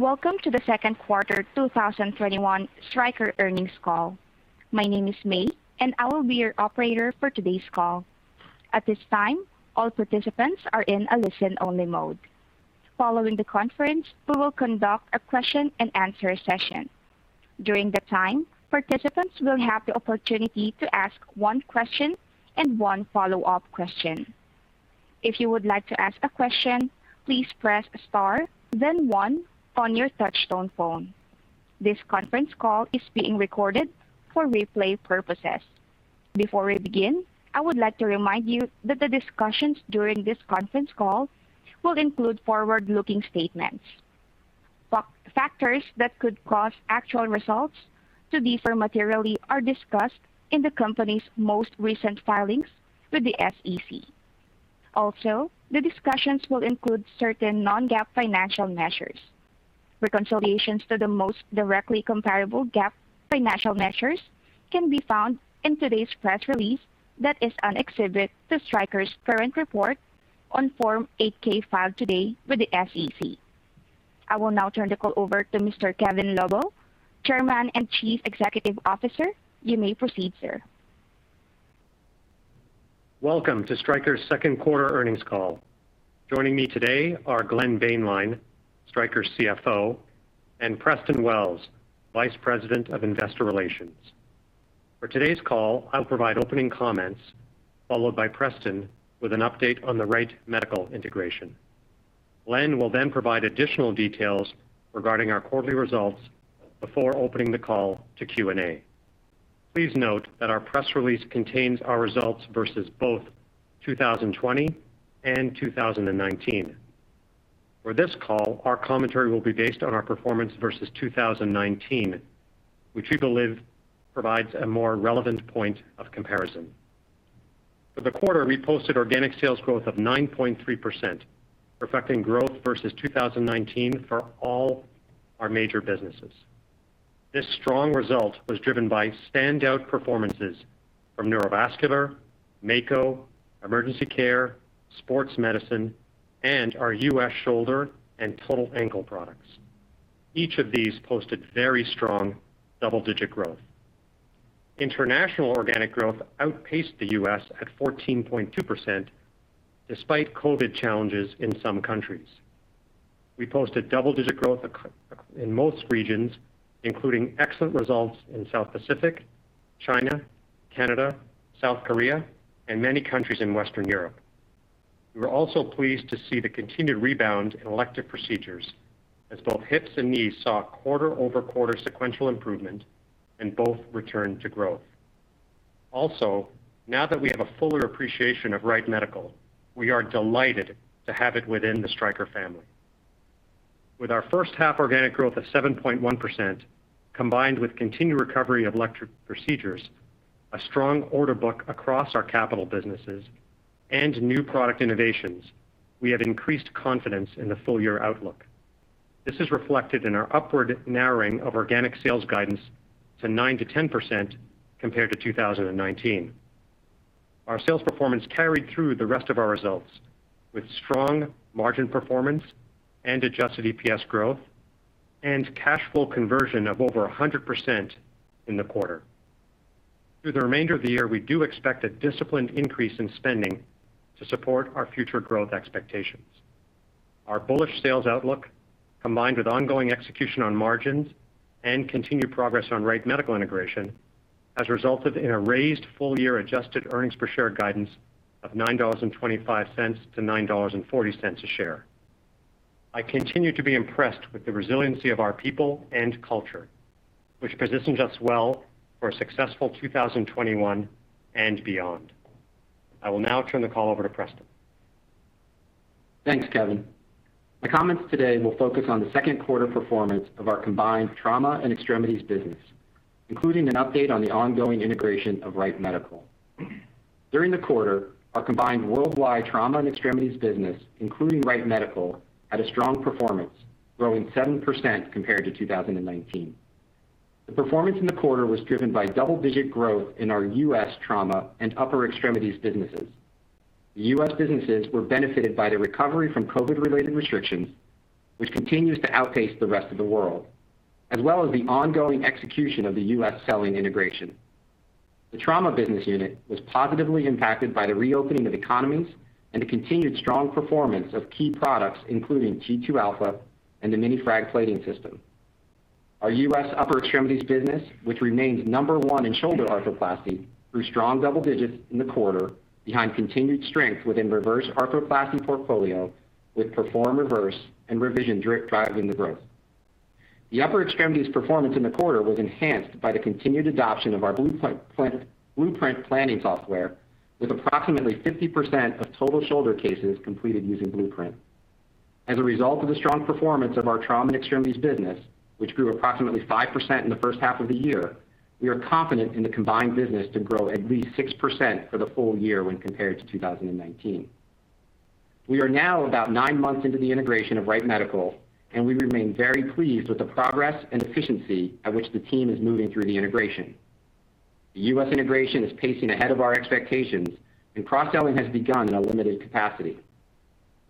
Welcome to the Q2 2021 Stryker earnings call. My name is Mei, and I will be your operator for today's call. At this time, all participants are in a listen-only mode. Following the conference, we will conduct a question-and-answer session. During that time, participants will have the opportunity to ask one question and one follow-up question. If you would like to ask a question, please press star then one on your touchtone phone. This conference call is being recorded for replay purposes. Before we begin, I would like to remind you that the discussions during this conference call will include forward-looking statements. Factors that could cause actual results to differ materially are discussed in the company's most recent filings with the SEC. Also, the discussions will include certain non-GAAP financial measures. Reconciliations to the most directly comparable GAAP financial measures can be found in today's press release that is on exhibit to Stryker's current report on Form 8-K filed today with the SEC. I will now turn the call over to Mr. Kevin Lobo, Chairman and Chief Executive Officer. You may proceed, sir. Welcome to Stryker's Q2 earnings call. Joining me today are Glenn Boehnlein, Stryker's CFO, and Preston Wells, Vice President of Investor Relations. For today's call, I'll provide opening comments, followed by Preston with an update on the Wright Medical integration. Glenn will provide additional details regarding our quarterly results before opening the call to Q&A. Please note that our press release contains our results versus both 2020 and 2019. For this call, our commentary will be based on our performance versus 2019, which we believe provides a more relevant point of comparison. For the quarter, we posted organic sales growth of 9.3%, reflecting growth versus 2019 for all our major businesses. This strong result was driven by standout performances from neurovascular, Mako, Emergency Care, Sports Medicine, and our U.S. Shoulder and Total Ankle products. Each of these posted very strong double-digit growth. International organic growth outpaced the U.S. at 14.2%, despite COVID challenges in some countries. We posted double-digit growth in most regions, including excellent results in South Pacific, China, Canada, South Korea, and many countries in Western Europe. We were also pleased to see the continued rebound in elective procedures, as both hips and knees saw quarter-over-quarter sequential improvement and both returned to growth. Also, now that we have a fuller appreciation of Wright Medical, we are delighted to have it within the Stryker family. With our H1 organic growth of 7.1%, combined with continued recovery of elective procedures, a strong order book across our capital businesses, and new product innovations, we have increased confidence in the full-year outlook. This is reflected in our upward narrowing of organic sales guidance to 9%-10% compared to 2019. Our sales performance carried through the rest of our results. With strong margin performance and adjusted EPS growth, and cash flow conversion of over 100% in the quarter. Through the remainder of the year, we do expect a disciplined increase in spending to support our future growth expectations. Our bullish sales outlook, combined with ongoing execution on margins and continued progress on Wright Medical integration, has resulted in a raised full-year adjusted earnings per share guidance of $9.25-$9.40 a share. I continue to be impressed with the resiliency of our people and culture, which positions us well for a successful 2021 and beyond. I will now turn the call over to Preston. Thanks, Kevin. My comments today will focus on the Q2 performance of our combined Trauma and Extremities business, including an update on the ongoing integration of Wright Medical. During the quarter, our combined worldwide Trauma and Extremities business, including Wright Medical, had a strong performance, growing 7% compared to 2019. The performance in the quarter was driven by double-digit growth in our U.S. Trauma and Upper Extremities businesses. The U.S. businesses were benefited by the recovery from COVID-related restrictions, which continues to outpace the rest of the world, as well as the ongoing execution of the U.S. selling integration. The Trauma business unit was positively impacted by the reopening of economies and the continued strong performance of key products, including T2 Alpha and the VariAx 2 Mini Fragment plating system. Our U.S. Upper Extremities business, which remains number one in shoulder arthroplasty, grew strong double digits in the quarter behind continued strength within reverse arthroplasty portfolio, with Perform Reverse and Revision driving the growth. The Upper Extremities performance in the quarter was enhanced by the continued adoption of our Blueprint planning software, with approximately 50% of total shoulder cases completed using Blueprint. As a result of the strong performance of our Trauma and Extremities business, which grew approximately 5% in the H1 of the year, we are confident in the combined business to grow at least 6% for the full year when compared to 2019. We are now about 9 months into the integration of Wright Medical. We remain very pleased with the progress and efficiency at which the team is moving through the integration. The U.S. integration is pacing ahead of our expectations, and cross-selling has begun in a limited capacity.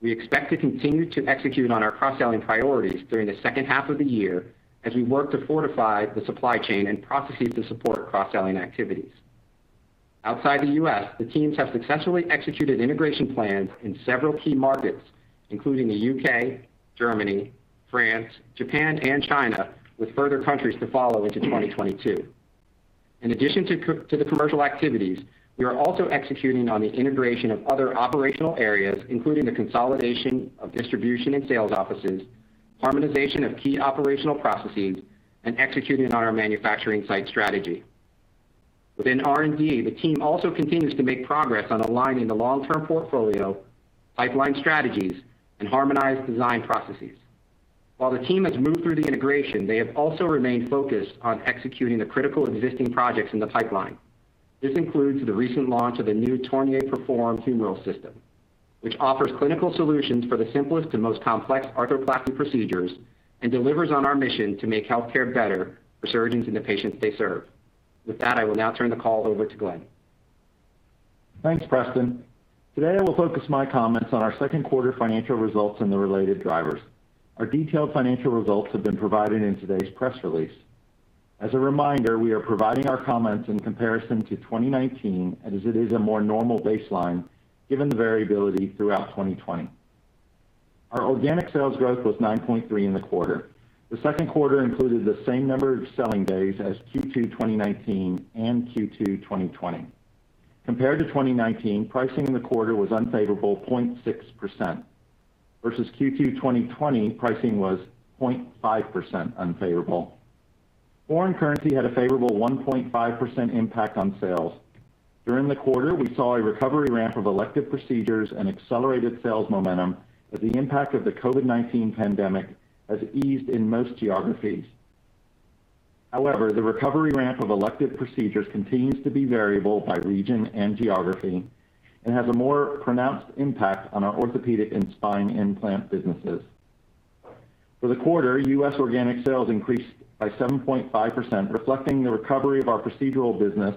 We expect to continue to execute on our cross-selling priorities during the H2 of the year as we work to fortify the supply chain and processes to support cross-selling activities. Outside the U.S., the teams have successfully executed integration plans in several key markets, including the U.K., Germany, France, Japan, and China, with further countries to follow into 2022. In addition to the commercial activities, we are also executing on the integration of other operational areas, including the consolidation of distribution and sales offices, harmonization of key operational processes, and executing on our manufacturing site strategy. Within R&D, the team also continues to make progress on aligning the long-term portfolio, pipeline strategies, and harmonized design processes. While the team has moved through the integration, they have also remained focused on executing the critical existing projects in the pipeline. This includes the recent launch of the new Tornier Perform Humeral System, which offers clinical solutions for the simplest and most complex arthroplasty procedures, and delivers on our mission to make healthcare better for surgeons and the patients they serve. With that, I will now turn the call over to Glenn. Thanks, Preston. Today, I will focus my comments on our Q2 financial results and the related drivers. Our detailed financial results have been provided in today's press release. As a reminder, we are providing our comments in comparison to 2019 as it is a more normal baseline given the variability throughout 2020. Our organic sales growth was 9.3% in the quarter. The Q2 included the same number of selling days as Q2 2019 and Q2 2020. Compared to 2019, pricing in the quarter was unfavorable 0.6%. Versus Q2 2020, pricing was 0.5% unfavorable. Foreign currency had a favorable 1.5% impact on sales. During the quarter, we saw a recovery ramp of elective procedures and accelerated sales momentum as the impact of the COVID-19 pandemic has eased in most geographies. However, the recovery ramp of elective procedures continues to be variable by region and geography, and has a more pronounced impact on our Orthopaedics and Spine implant businesses. For the quarter, U.S. organic sales increased by 7.5%, reflecting the recovery of our procedural business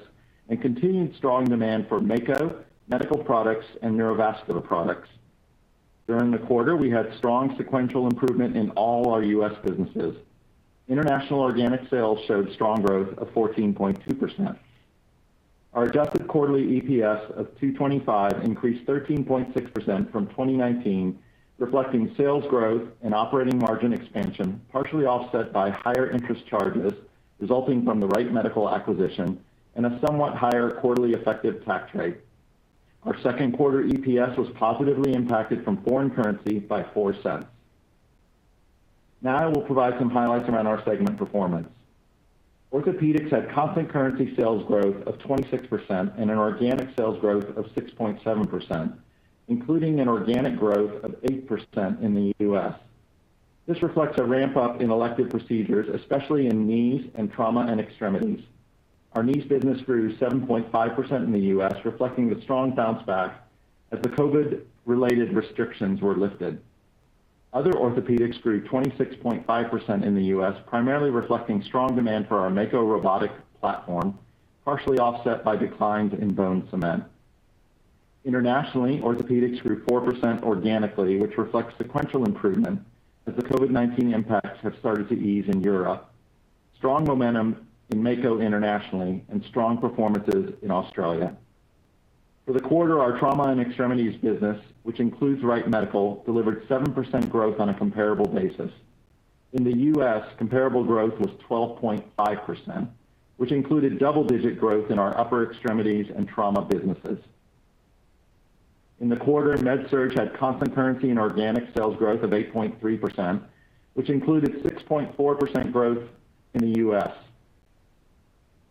and continued strong demand for Mako, medical products, and Neurovascular products. During the quarter, we had strong sequential improvement in all our U.S. businesses. International organic sales showed strong growth of 14.2%. Our adjusted quarterly EPS of $2.25 increased 13.6% from 2019, reflecting sales growth and operating margin expansion, partially offset by higher interest charges resulting from the Wright Medical acquisition and a somewhat higher quarterly effective tax rate. Our Q2 EPS was positively impacted from foreign currency by $0.04. Now, I will provide some highlights around our segment performance. Orthopaedics had constant currency sales growth of 26% and an organic sales growth of 6.7%, including an organic growth of 8% in the U.S. This reflects a ramp-up in elective procedures, especially in knees and trauma and extremities. Our knees business grew 7.5% in the U.S., reflecting the strong bounce back as the COVID-related restrictions were lifted. Other Orthopaedics grew 26.5% in the U.S., primarily reflecting strong demand for our Mako robotic platform, partially offset by declines in bone cement. Internationally, Orthopaedics grew 4% organically, which reflects sequential improvement as the COVID-19 impacts have started to ease in Europe, strong momentum in Mako internationally, and strong performances in Australia. For the quarter, our trauma and extremities business, which includes Wright Medical, delivered 7% growth on a comparable basis. In the U.S., comparable growth was 12.5%, which included double-digit growth in our upper extremities and trauma businesses. In the quarter, MedSurg had constant currency and organic sales growth of 8.3%, which included 6.4% growth in the U.S.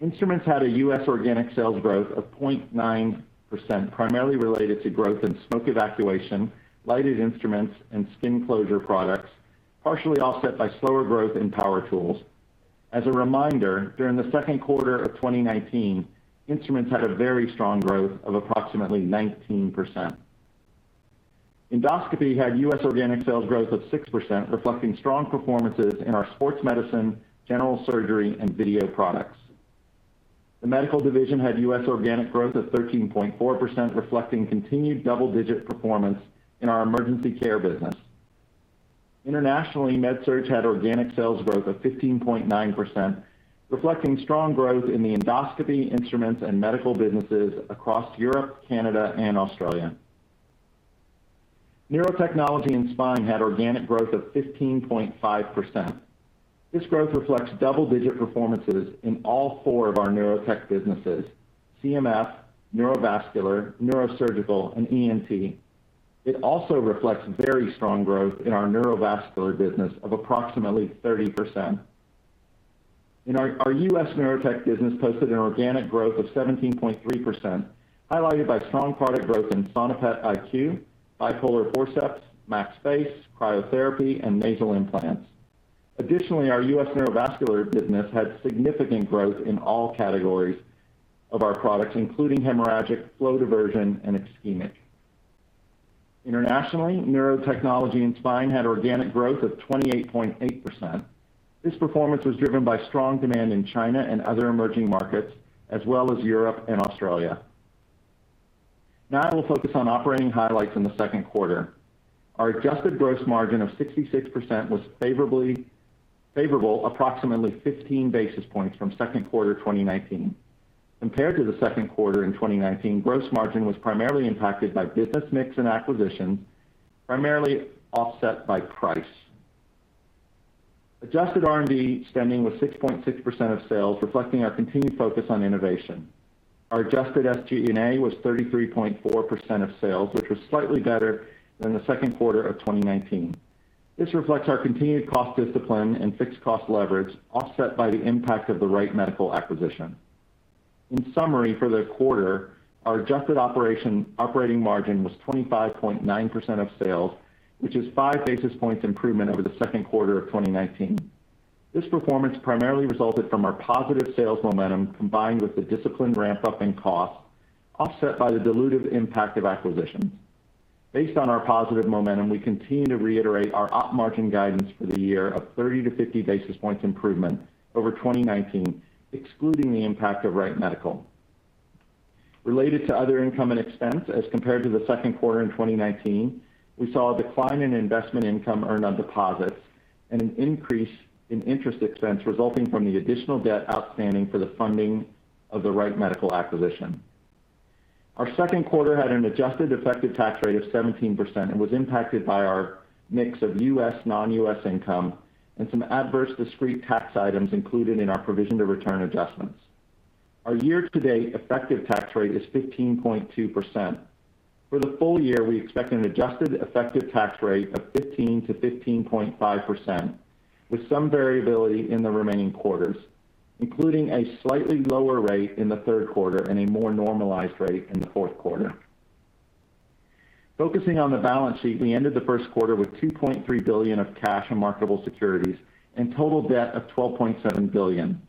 Instruments had a U.S. organic sales growth of 0.9%, primarily related to growth in smoke evacuation, lighted instruments, and skin closure products, partially offset by slower growth in power tools. As a reminder, during the Q2 of 2019, Instruments had a very strong growth of approximately 19%. Endoscopy had U.S. organic sales growth of 6%, reflecting strong performances in our sports medicine, general surgery, and video products. The medical division had U.S. organic growth of 13.4%, reflecting continued double-digit performance in our emergency care business. Internationally, MedSurg had organic sales growth of 15.9%, reflecting strong growth in the endoscopy instruments and medical businesses across Europe, Canada, and Australia. Neurotechnology and spine had organic growth of 15.5%. This growth reflects double-digit performances in all four of our Neurotechnology businesses: CMF, neurovascular, neurosurgical, and ENT. It also reflects very strong growth in our neurovascular business of approximately 30%. Our U.S. Neurotechnology business posted an organic growth of 17.3%, highlighted by strong product growth in Sonopet iQ, bipolar forceps, MaxFacs, cryotherapy, and nasal implants. Additionally, our U.S. neurovascular business had significant growth in all categories of our products, including hemorrhagic, flow diversion, and ischemic. Internationally, Neurotechnology and spine had organic growth of 28.8%. This performance was driven by strong demand in China and other emerging markets, as well as Europe and Australia. Now I will focus on operating highlights in the Q2. Our adjusted gross margin of 66% was favorable, approximately 15 basis points from Q2 2019. Compared to the Q2 in 2019, gross margin was primarily impacted by business mix and acquisition, primarily offset by price. Adjusted R&D spending was 6.6% of sales, reflecting our continued focus on innovation. Our adjusted SG&A was 33.4% of sales, which was slightly better than the Q2 of 2019. This reflects our continued cost discipline and fixed cost leverage, offset by the impact of the Wright Medical acquisition. In summary, for the quarter, our adjusted operating margin was 25.9% of sales, which is 5 basis points improvement over the Q2 of 2019. This performance primarily resulted from our positive sales momentum, combined with the disciplined ramp-up in costs, offset by the dilutive impact of acquisitions. Based on our positive momentum, we continue to reiterate our op margin guidance for the year of 30-50 basis points improvement over 2019, excluding the impact of Wright Medical. Related to other income and expense as compared to the Q2 in 2019, we saw a decline in investment income earned on deposits and an increase in interest expense resulting from the additional debt outstanding for the funding of the Wright Medical acquisition. Our Q2 had an adjusted effective tax rate of 17% and was impacted by our mix of U.S., non-U.S. income and some adverse discrete tax items included in our provision to return adjustments. Our year-to-date effective tax rate is 15.2%. For the full-year, we expect an adjusted effective tax rate of 15%-15.5%, with some variability in the remaining quarters, including a slightly lower rate in the Q3 and a more normalized rate in the Q4. Focusing on the balance sheet, we ended the consistency_review with $2.3 billion of cash and marketable securities and total debt of $12.7 billion.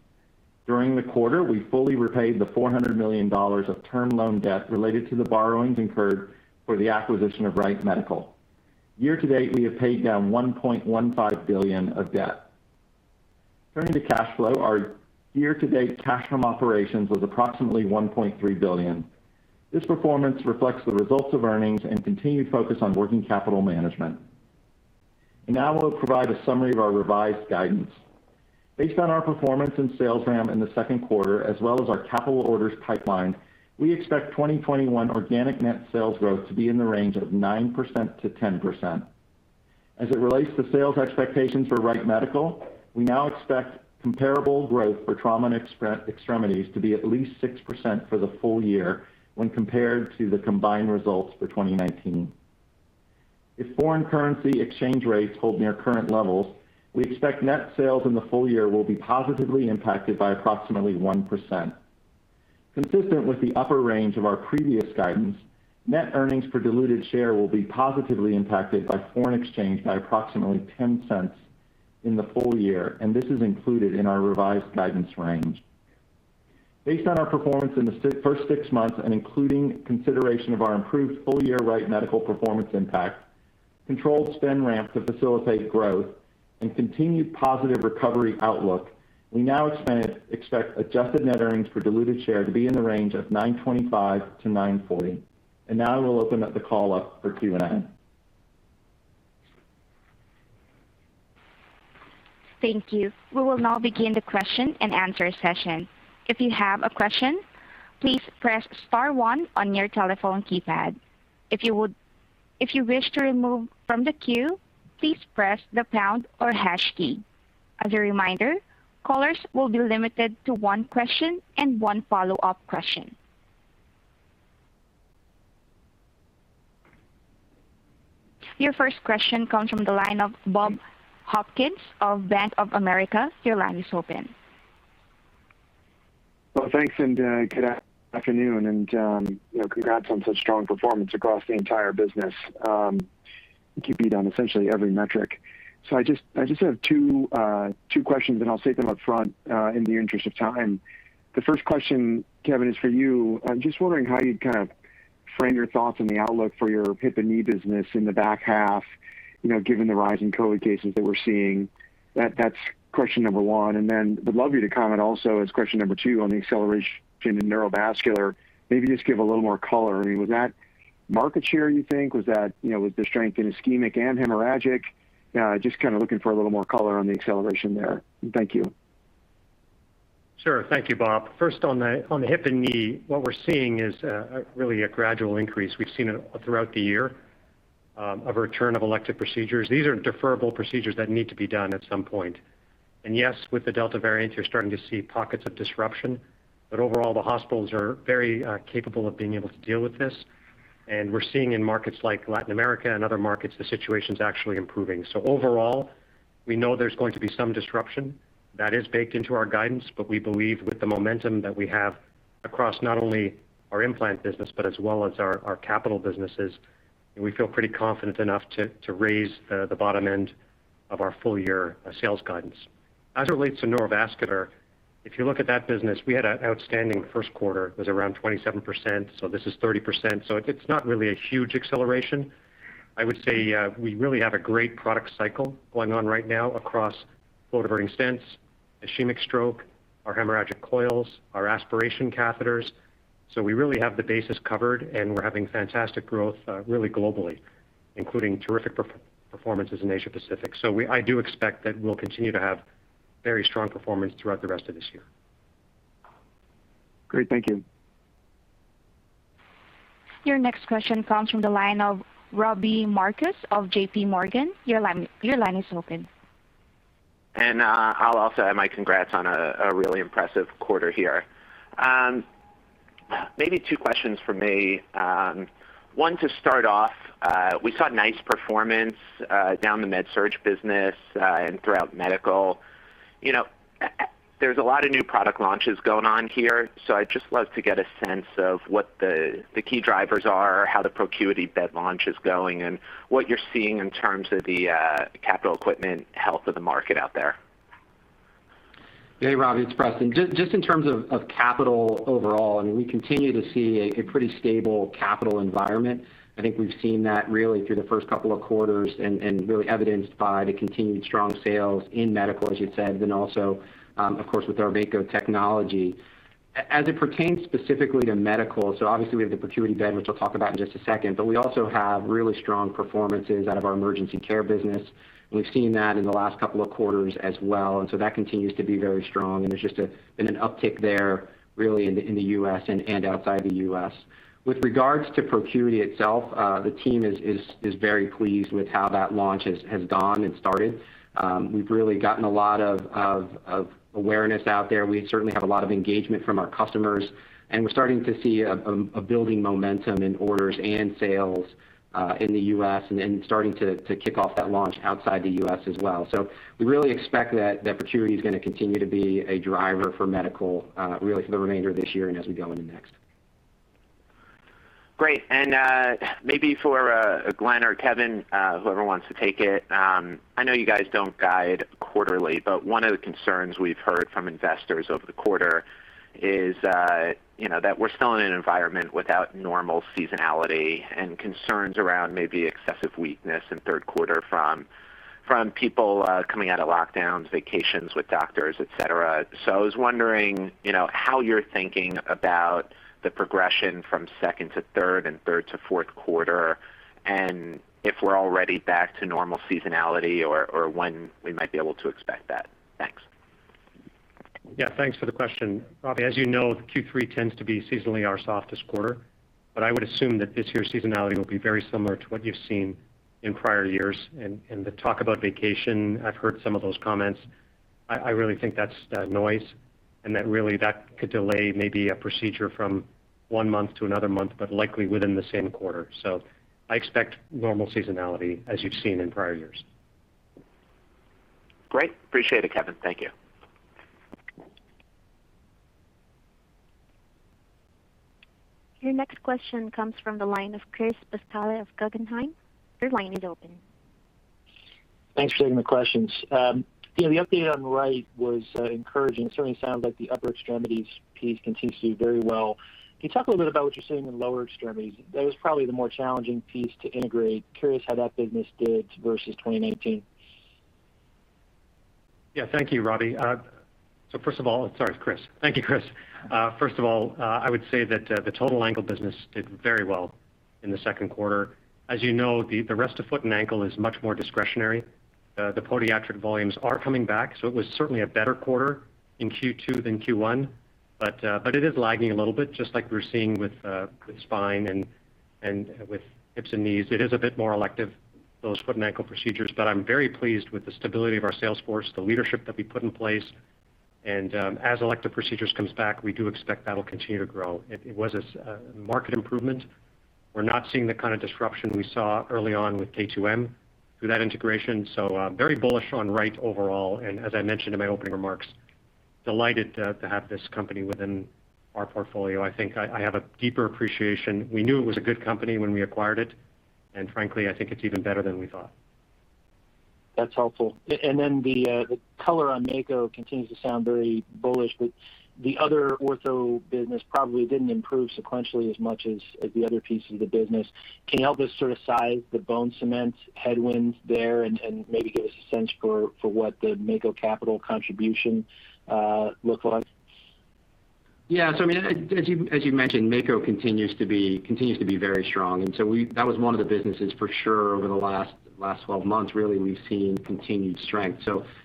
During the quarter, we fully repaid the $400 million of term loan debt related to the borrowings incurred for the acquisition of Wright Medical. Year-to-date, we have paid down $1.15 billion of debt. Turning to cash flow, our year-to-date cash from operations was approximately $1.3 billion. This performance reflects the results of earnings and continued focus on working capital management. Now we'll provide a summary of our revised guidance. Based on our performance and sales ramp in the Q2, as well as our capital orders pipeline, we expect 2021 organic net sales growth to be in the range of 9%-10%. As it relates to sales expectations for Wright Medical, we now expect comparable growth for trauma and extremities to be at least 6% for the full-year when compared to the combined results for 2019. If foreign currency exchange rates hold near current levels, we expect net sales in the full-year will be positively impacted by approximately 1%. Consistent with the upper range of our previous guidance, net earnings per diluted share will be positively impacted by foreign exchange by approximately $0.10 in the full-year. This is included in our revised guidance range. Based on our performance in the first six months and including consideration of our improved full-year Wright Medical performance impact, controlled spend ramp to facilitate growth, and continued positive recovery outlook, we now expect adjusted net earnings per diluted share to be in the range of $9.25-$9.40. Now I will open up the call up for Q&A. Thank you. We will now begin the question-and-answer session. If you have a question, please press star one on your telephone keypad. If you wish to remove from the queue, please press the pound or hash key. As a reminder, callers will be limited to one question and one follow-up question. Your first question comes from the line of Bob Hopkins of Bank of America. Your line is open. Well, thanks, good afternoon. Congrats on such strong performance across the entire business. You beat on essentially every metric. I just have two questions, and I'll state them up front in the interest of time. The first question, Kevin, is for you. I'm just wondering how you'd kind of frame your thoughts on the outlook for your hip and knee business in the back half, given the rise in COVID cases that we're seeing. That's question number one. I'd love you to comment also as question number two on the acceleration in neurovascular. Maybe just give a little more color. I mean, was that market share you think? Was the strength in ischemic and hemorrhagic? Just kind of looking for a little more color on the acceleration there. Thank you. Sure. Thank you, Bob. First on the hip and knee, what we're seeing is really a gradual increase. We've seen it throughout the year, of a return of elective procedures. These are deferrable procedures that need to be done at some point. Yes, with the Delta variant, you're starting to see pockets of disruption. Overall, the hospitals are very capable of being able to deal with this. We're seeing in markets like Latin America and other markets, the situation's actually improving. Overall, we know there's going to be some disruption. That is baked into our guidance. We believe with the momentum that we have across not only our implant business but as well as our capital businesses, we feel pretty confident enough to raise the bottom end of our full-year sales guidance. As it relates to neurovascular If you look at that business, we had an outstanding Q1. It was around 27%, so this is 30%. It's not really a huge acceleration. I would say we really have a great product cycle going on right now across flow-diverting stents, ischemic stroke, our hemorrhagic coils, our aspiration catheters. We really have the bases covered, and we're having fantastic growth, really globally, including terrific performances in Asia Pacific. I do expect that we'll continue to have very strong performance throughout the rest of this year. Great. Thank you. Your next question comes from the line of Robbie Marcus of J.P. Morgan. Your line is open. I'll also add my congrats on a really impressive quarter here. Maybe two questions from me. One to start off, we saw nice performance down the MedSurg business and throughout medical. There's a lot of new product launches going on here. I'd just love to get a sense of what the key drivers are, how the ProCuity bed launch is going, and what you're seeing in terms of the capital equipment health of the market out there. Hey, Robbie Marcus, it's Preston Wells. Just in terms of capital overall, we continue to see a pretty stable capital environment. I think we've seen that really through the first two quarters and really evidenced by the continued strong sales in medical, as you said, then also, of course, with our Mako technology. As it pertains specifically to medical, obviously we have the ProCuity bed, which I'll talk about in just a second, but we also have really strong performances out of our emergency care business, we've seen that in the last two quarters as well. That continues to be very strong, there's just been an uptick there, really in the U.S. and outside the U.S. With regards to ProCuity itself, the team is very pleased with how that launch has gone and started. We've really gotten a lot of awareness out there. We certainly have a lot of engagement from our customers, we're starting to see a building momentum in orders and sales in the U.S., and starting to kick off that launch outside the U.S. as well. We really expect that ProCuity is going to continue to be a driver for medical, really for the remainder of this year and as we go into next. Great. Maybe for Glenn or Kevin, whoever wants to take it. I know you guys don't guide quarterly, one of the concerns we've heard from investors over the quarter is that we're still in an environment without normal seasonality and concerns around maybe excessive weakness in Q3 from people coming out of lockdowns, vacations with doctors, et cetera. I was wondering how you're thinking about the progression from Q2-Q3 and Q3-Q4 and if we're already back to normal seasonality or when we might be able to expect that. Thanks. Yeah. Thanks for the question. Robbie, as you know, Q3 tends to be seasonally our softest quarter, but I would assume that this year's seasonality will be very similar to what you've seen in prior years. The talk about vacation, I've heard some of those comments. I really think that's noise and that really that could delay maybe a procedure from one month to another month, but likely within the same quarter. I expect normal seasonality as you've seen in prior years. Great. Appreciate it, Kevin. Thank you. Your next question comes from the line of Chris Pasquale of Guggenheim. Your line is open. Thanks for taking the questions. The update on Wright was encouraging. It certainly sounds like the upper extremities piece continues to do very well. Can you talk a little bit about what you're seeing in lower extremities? That was probably the more challenging piece to integrate. Curious how that business did versus 2019. Thank you, Robbie. First of all, sorry, Chris. Thank you, Chris. First of all, I would say that the total ankle business did very well in the Q2. As you know, the rest of foot and ankle is much more discretionary. The podiatric volumes are coming back. It was certainly a better quarter in Q2 than Q1, but it is lagging a little bit, just like we're seeing with spine and with hips and knees. It is a bit more elective, those foot and ankle procedures. I'm very pleased with the stability of our sales force, the leadership that we put in place, and as elective procedures comes back, we do expect that'll continue to grow. It was a market improvement. We're not seeing the kind of disruption we saw early on with K2M through that integration. I'm very bullish on Wright overall, and as I mentioned in my opening remarks, delighted to have this company within our portfolio. I think I have a deeper appreciation. We knew it was a good company when we acquired it, and frankly, I think it's even better than we thought. That's helpful. The color on Mako continues to sound very bullish, but the other Orthopaedics business probably didn't improve sequentially as much as the other pieces of the business. Can you help us sort of size the bone cement headwinds there and maybe give us a sense for what the Mako capital contribution look like? Yeah. I mean, as you mentioned, Mako continues to be very strong, that was one of the businesses for sure over the last 12 months, really, we've seen continued strength.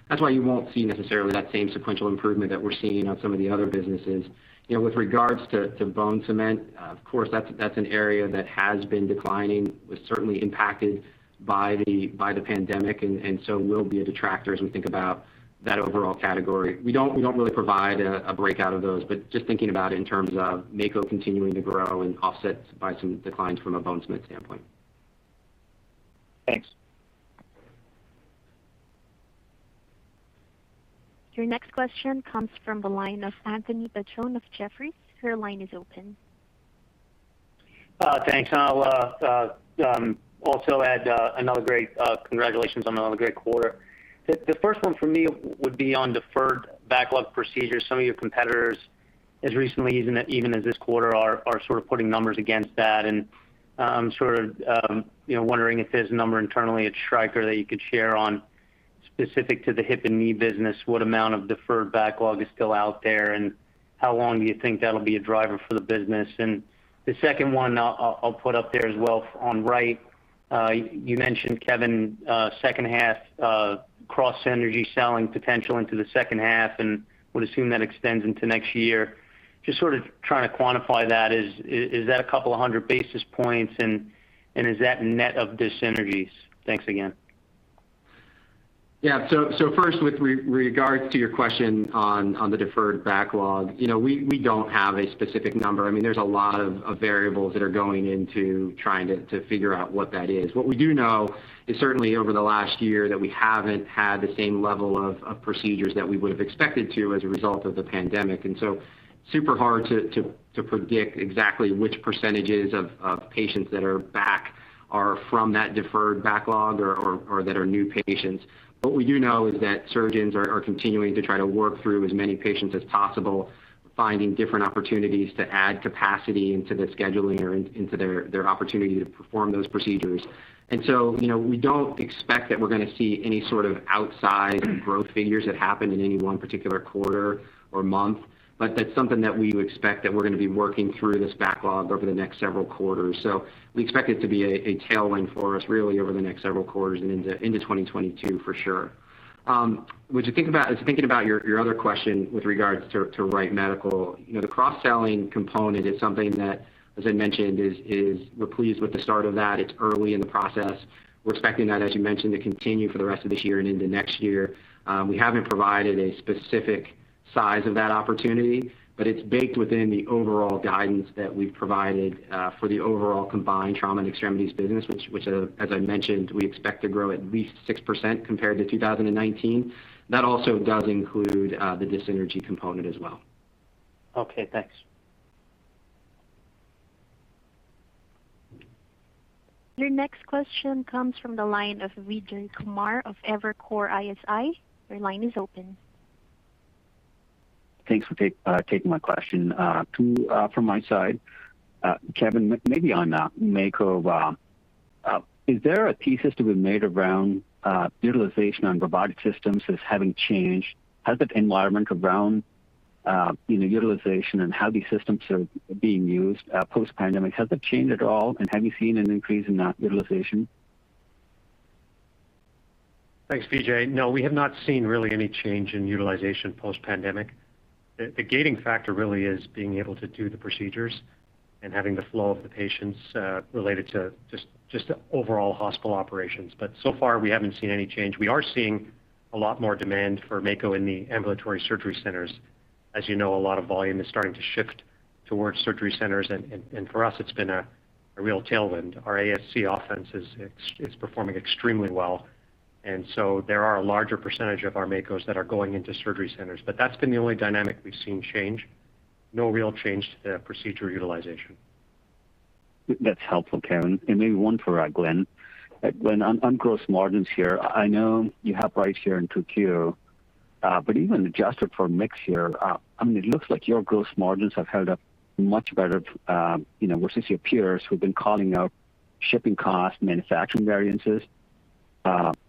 That's why you won't see necessarily that same sequential improvement that we're seeing on some of the other businesses. With regards to bone cement, of course, that's an area that has been declining, was certainly impacted by the pandemic, will be a detractor as we think about that overall category. We don't really provide a breakout of those, just thinking about it in terms of Mako continuing to grow and offset by some declines from a bone cement standpoint. Thanks. Your next question comes from the line of Anthony Petrone of Jefferies. Your line is open Thanks. I'll also add another great congratulations on another great quarter. The first one for me would be on deferred backlog procedures. Some of your competitors, as recently even as this quarter, are sort of putting numbers against that, and I'm sort of wondering if there's a number internally at Stryker that you could share on, specific to the hip and knee business, what amount of deferred backlog is still out there, and how long do you think that'll be a driver for the business? The second one, I'll put up there as well on Wright. You mentioned, Kevin, H2 cross synergy selling potential into the H2, and would assume that extends into next year. Just sort of trying to quantify that. Is that a couple of hundred basis points, and is that net of dis-synergies? Thanks again. Yeah. First, with regards to your question on the deferred backlog, we don't have a specific number. There's a lot of variables that are going into trying to figure out what that is. What we do know is certainly over the last year that we haven't had the same level of procedures that we would've expected to as a result of the pandemic. Super hard to predict exactly which percentages of patients that are back are from that deferred backlog or that are new patients. What we do know is that surgeons are continuing to try to work through as many patients as possible, finding different opportunities to add capacity into the scheduling or into their opportunity to perform those procedures. We don't expect that we're going to see any sort of outsized growth figures that happen in any one particular quarter or month. That's something that we would expect that we're going to be working through this backlog over the next several quarters. We expect it to be a tailwind for us, really over the next several quarters and into 2022 for sure. Thinking about your other question with regards to Wright Medical, the cross-selling component is something that, as I mentioned, we're pleased with the start of that. It's early in the process. We're expecting that, as you mentioned, to continue for the rest of this year and into next year. We haven't provided a specific size of that opportunity, but it's baked within the overall guidance that we've provided for the overall combined Trauma and Extremities business, which, as I mentioned, we expect to grow at least 6% compared to 2019. That also does include the dis-synergy component as well. Okay, thanks. Your next question comes from the line of Vijay Kumar of Evercore ISI. Your line is open. Thanks for taking my question. Two from my side. Kevin, maybe on Mako. Is there a thesis to be made around utilization on robotic systems as having changed? Has the environment around utilization and how these systems are being used post-pandemic, has that changed at all? Have you seen an increase in that utilization? Thanks, Vijay. We have not seen really any change in utilization post-pandemic. The gating factor really is being able to do the procedures and having the flow of the patients related to just the overall hospital operations. So far, we haven't seen any change. We are seeing a lot more demand for Mako in the ambulatory surgery centers. As you know, a lot of volume is starting to shift towards surgery centers, and for us, it's been a real tailwind. Our ASC offense is performing extremely well. There are a larger percentage of our Mako's that are going into surgery centers. That's been the only dynamic we've seen change. No real change to the procedure utilization. That's helpful, Kevin. Maybe one for Glenn. Glenn, on gross margins here, I know you have price here in Q2, but even adjusted for mix here, it looks like your gross margins have held up much better, versus your peers who've been calling out shipping costs, manufacturing variances.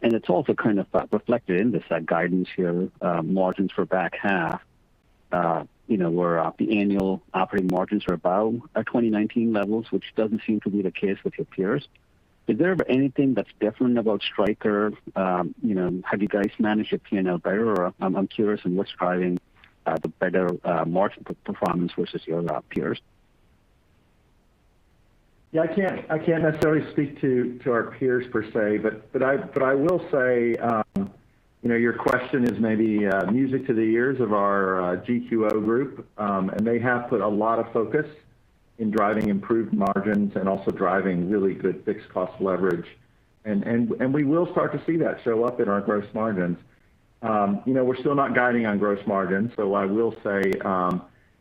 It's also kind of reflected in the side guidance here, margins for back half, where the annual operating margins are about 2019 levels, which doesn't seem to be the case with your peers. Is there anything that's different about Stryker? Have you guys managed your P&L better, or I'm curious on what's driving the better margin performance versus your peers? Yeah, I can't necessarily speak to our peers per se, but I will say, your question is maybe music to the ears of our GQO group, and they have put a lot of focus in driving improved margins and also driving really good fixed cost leverage. We will start to see that show up in our gross margins. We're still not guiding on gross margins, so I will say,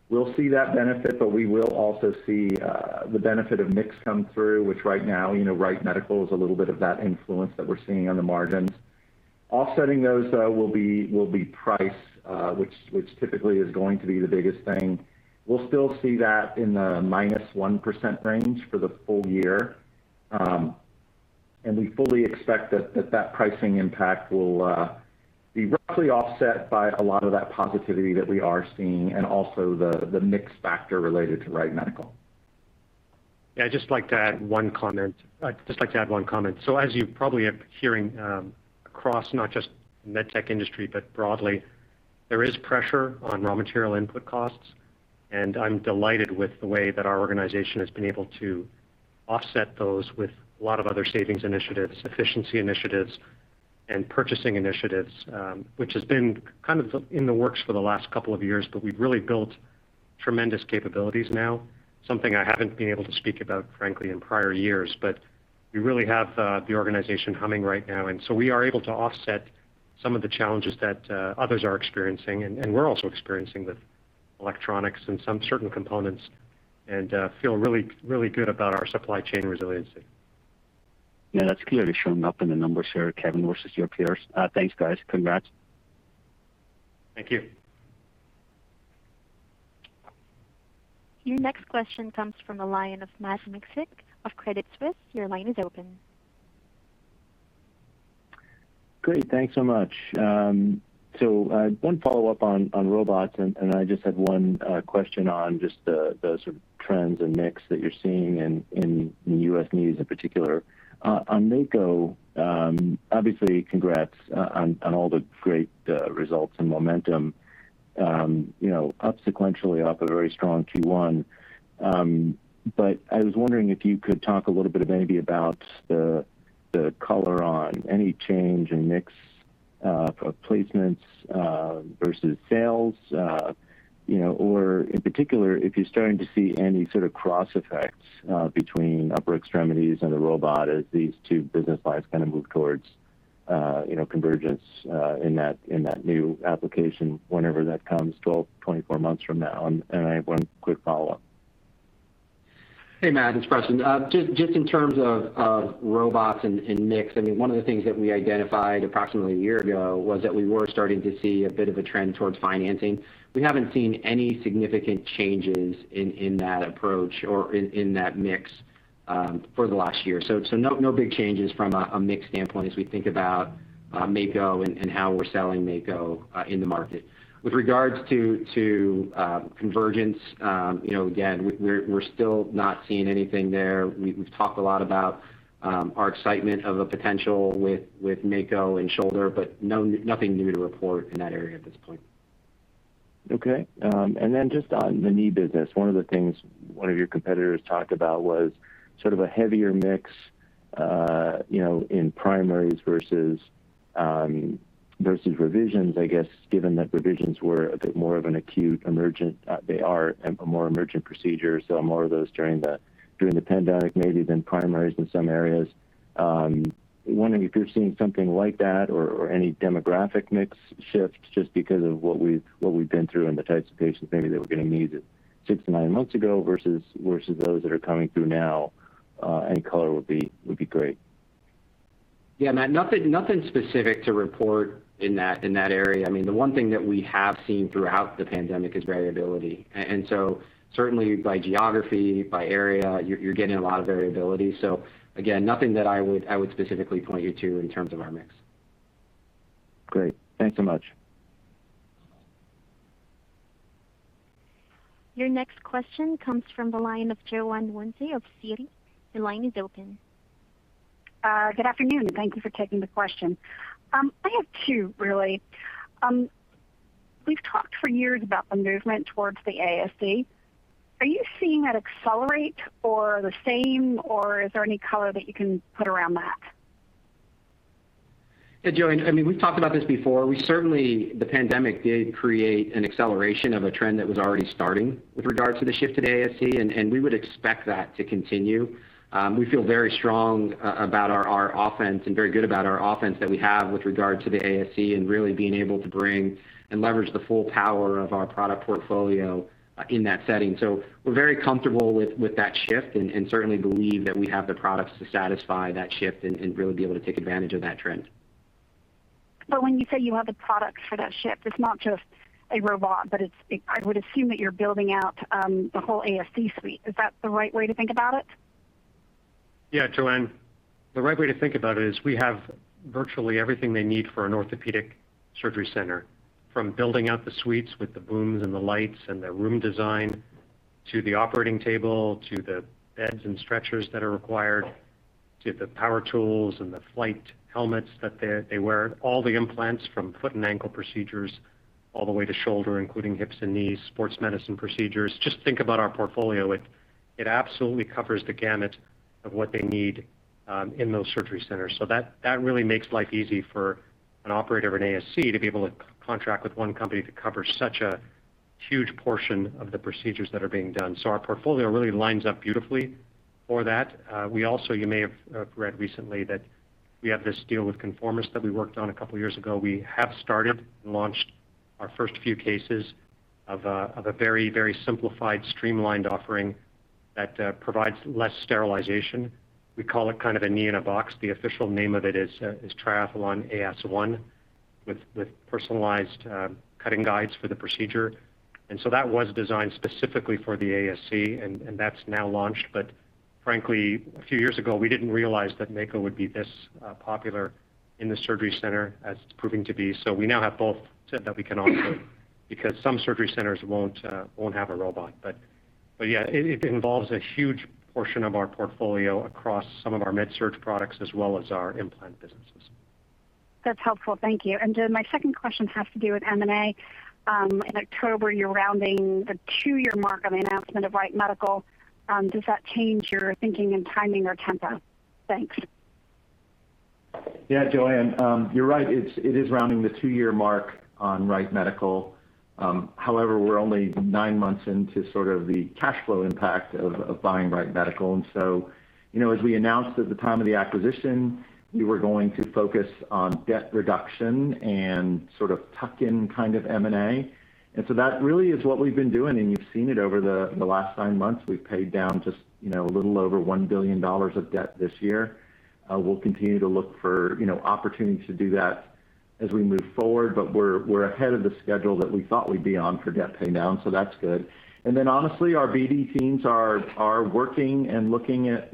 we'll see that benefit, but we will also see the benefit of mix come through, which right now, Wright Medical is a little bit of that influence that we're seeing on the margins. Offsetting those, though, will be price, which typically is going to be the biggest thing. We'll still see that in the -1% range for the full-year. We fully expect that that pricing impact will be roughly offset by a lot of that positivity that we are seeing and also the mix factor related to Wright Medical. Yeah, I'd just like to add one comment. As you probably are hearing across not just MedTech industry, but broadly, there is pressure on raw material input costs, and I'm delighted with the way that our organization has been able to offset those with a lot of other savings initiatives, efficiency initiatives, and purchasing initiatives, which has been kind of in the works for the last two years, but we've really built tremendous capabilities now. Something I haven't been able to speak about, frankly, in prior years, but we really have the organization humming right now, we are able to offset some of the challenges that others are experiencing, and we're also experiencing with electronics and some certain components, and feel really good about our supply chain resiliency. Yeah, that's clearly showing up in the numbers here, Kevin, versus your peers. Thanks, guys. Congrats. Thank you. Your next question comes from the line of Matt Miksic of Credit Suisse. Great. Thanks so much. One follow-up on robots, and I just had one question on just the sort of trends and mix that you're seeing in the U.S. knees in particular. On Mako, obviously, congrats on all the great results and momentum up sequentially off a very strong Q1. I was wondering if you could talk a little bit maybe about the color on any change in mix of placements versus sales or in particular, if you're starting to see any sort of cross effects between upper extremities and the robot as these two business lines kind of move towards convergence in that new application, whenever that comes, 12-24 months from now. I have one quick follow-up. Hey, Matt, it's Preston. Just in terms of robots and mix, one of the things that we identified approximately a year ago was that we were starting to see a bit of a trend towards financing. We haven't seen any significant changes in that approach or in that mix for the last year. No big changes from a mix standpoint as we think about Mako and how we're selling Mako in the market. With regards to convergence, again, we're still not seeing anything there. We've talked a lot about our excitement of a potential with Mako and shoulder, but nothing new to report in that area at this point. Okay. Just on the knee business, one of the things one of your competitors talked about was sort of a heavier mix in primaries versus revisions, I guess, given that revisions were a bit more of an acute, they are a more emergent procedure. More of those during the pandemic maybe than primaries in some areas. I wonder if you're seeing something like that or any demographic mix shift just because of what we've been through and the types of patients maybe that were getting knees six-nine months ago versus those that are coming through now. Any color would be great. Yeah, Matt, nothing specific to report in that area. The one thing that we have seen throughout the pandemic is variability. Certainly by geography, by area, you're getting a lot of variability. Again, nothing that I would specifically point you to in terms of our mix. Great. Thanks so much. Your next question comes from the line of Joanne Wuensch of Citi. Your line is open. Good afternoon. Thank you for taking the question. I have two, really. We've talked for years about the movement towards the ASC. Are you seeing that accelerate or the same, or is there any color that you can put around that? Hey, Joanne. We've talked about this before. The pandemic did create an acceleration of a trend that was already starting with regard to the shift to the ASC. We would expect that to continue. We feel very strong about our offense and very good about our offense that we have with regard to the ASC and really being able to bring and leverage the full power of our product portfolio in that setting. We're very comfortable with that shift and certainly believe that we have the products to satisfy that shift and really be able to take advantage of that trend. When you say you have the products for that shift, it's not just a robot, but I would assume that you're building out the whole ASC suite. Is that the right way to think about it? Yeah, Joanne. The right way to think about it is we have virtually everything they need for an orthopedic surgery center, from building out the suites with the booms and the lights and the room design to the operating table, to the beds and stretchers that are required, to the power tools and the flight helmets that they wear. All the implants from foot and ankle procedures all the way to shoulder, including hips and knees, sports medicine procedures. Think about our portfolio. It absolutely covers the gamut of what they need in those surgery centers. That really makes life easy for an operator in ASC to be able to contract with one company to cover such a huge portion of the procedures that are being done. Our portfolio really lines up beautifully for that. We also, you may have read recently that we have this deal with Conformis that we worked on a couple of years ago. We have started and launched our first few cases of a very simplified, streamlined offering that provides less sterilization. We call it kind of a knee in a box. The official name of it is Triathlon ASC with personalized cutting guides for the procedure. That was designed specifically for the ASC, and that's now launched. Frankly, a few years ago, we didn't realize that Mako would be this popular in the surgery center as it's proving to be. We now have both that we can offer because some surgery centers won't have a robot. Yeah, it involves a huge portion of our portfolio across some of our MedSurg products as well as our implant businesses. That's helpful. Thank you. My second question has to do with M&A. In October, you're rounding the two-year mark on the announcement of Wright Medical. Does that change your thinking and timing or tempo? Thanks. Yeah, Joanne. You're right. It is rounding the two-year mark on Wright Medical. We're only nine months into the cash flow impact of buying Wright Medical. As we announced at the time of the acquisition, we were going to focus on debt reduction and sort of tuck-in kind of M&A. That really is what we've been doing, and you've seen it over the last nine months. We've paid down just a little over $1 billion of debt this year. We'll continue to look for opportunities to do that as we move forward. We're ahead of the schedule that we thought we'd be on for debt pay down, so that's good. Honestly, our BD teams are working and looking at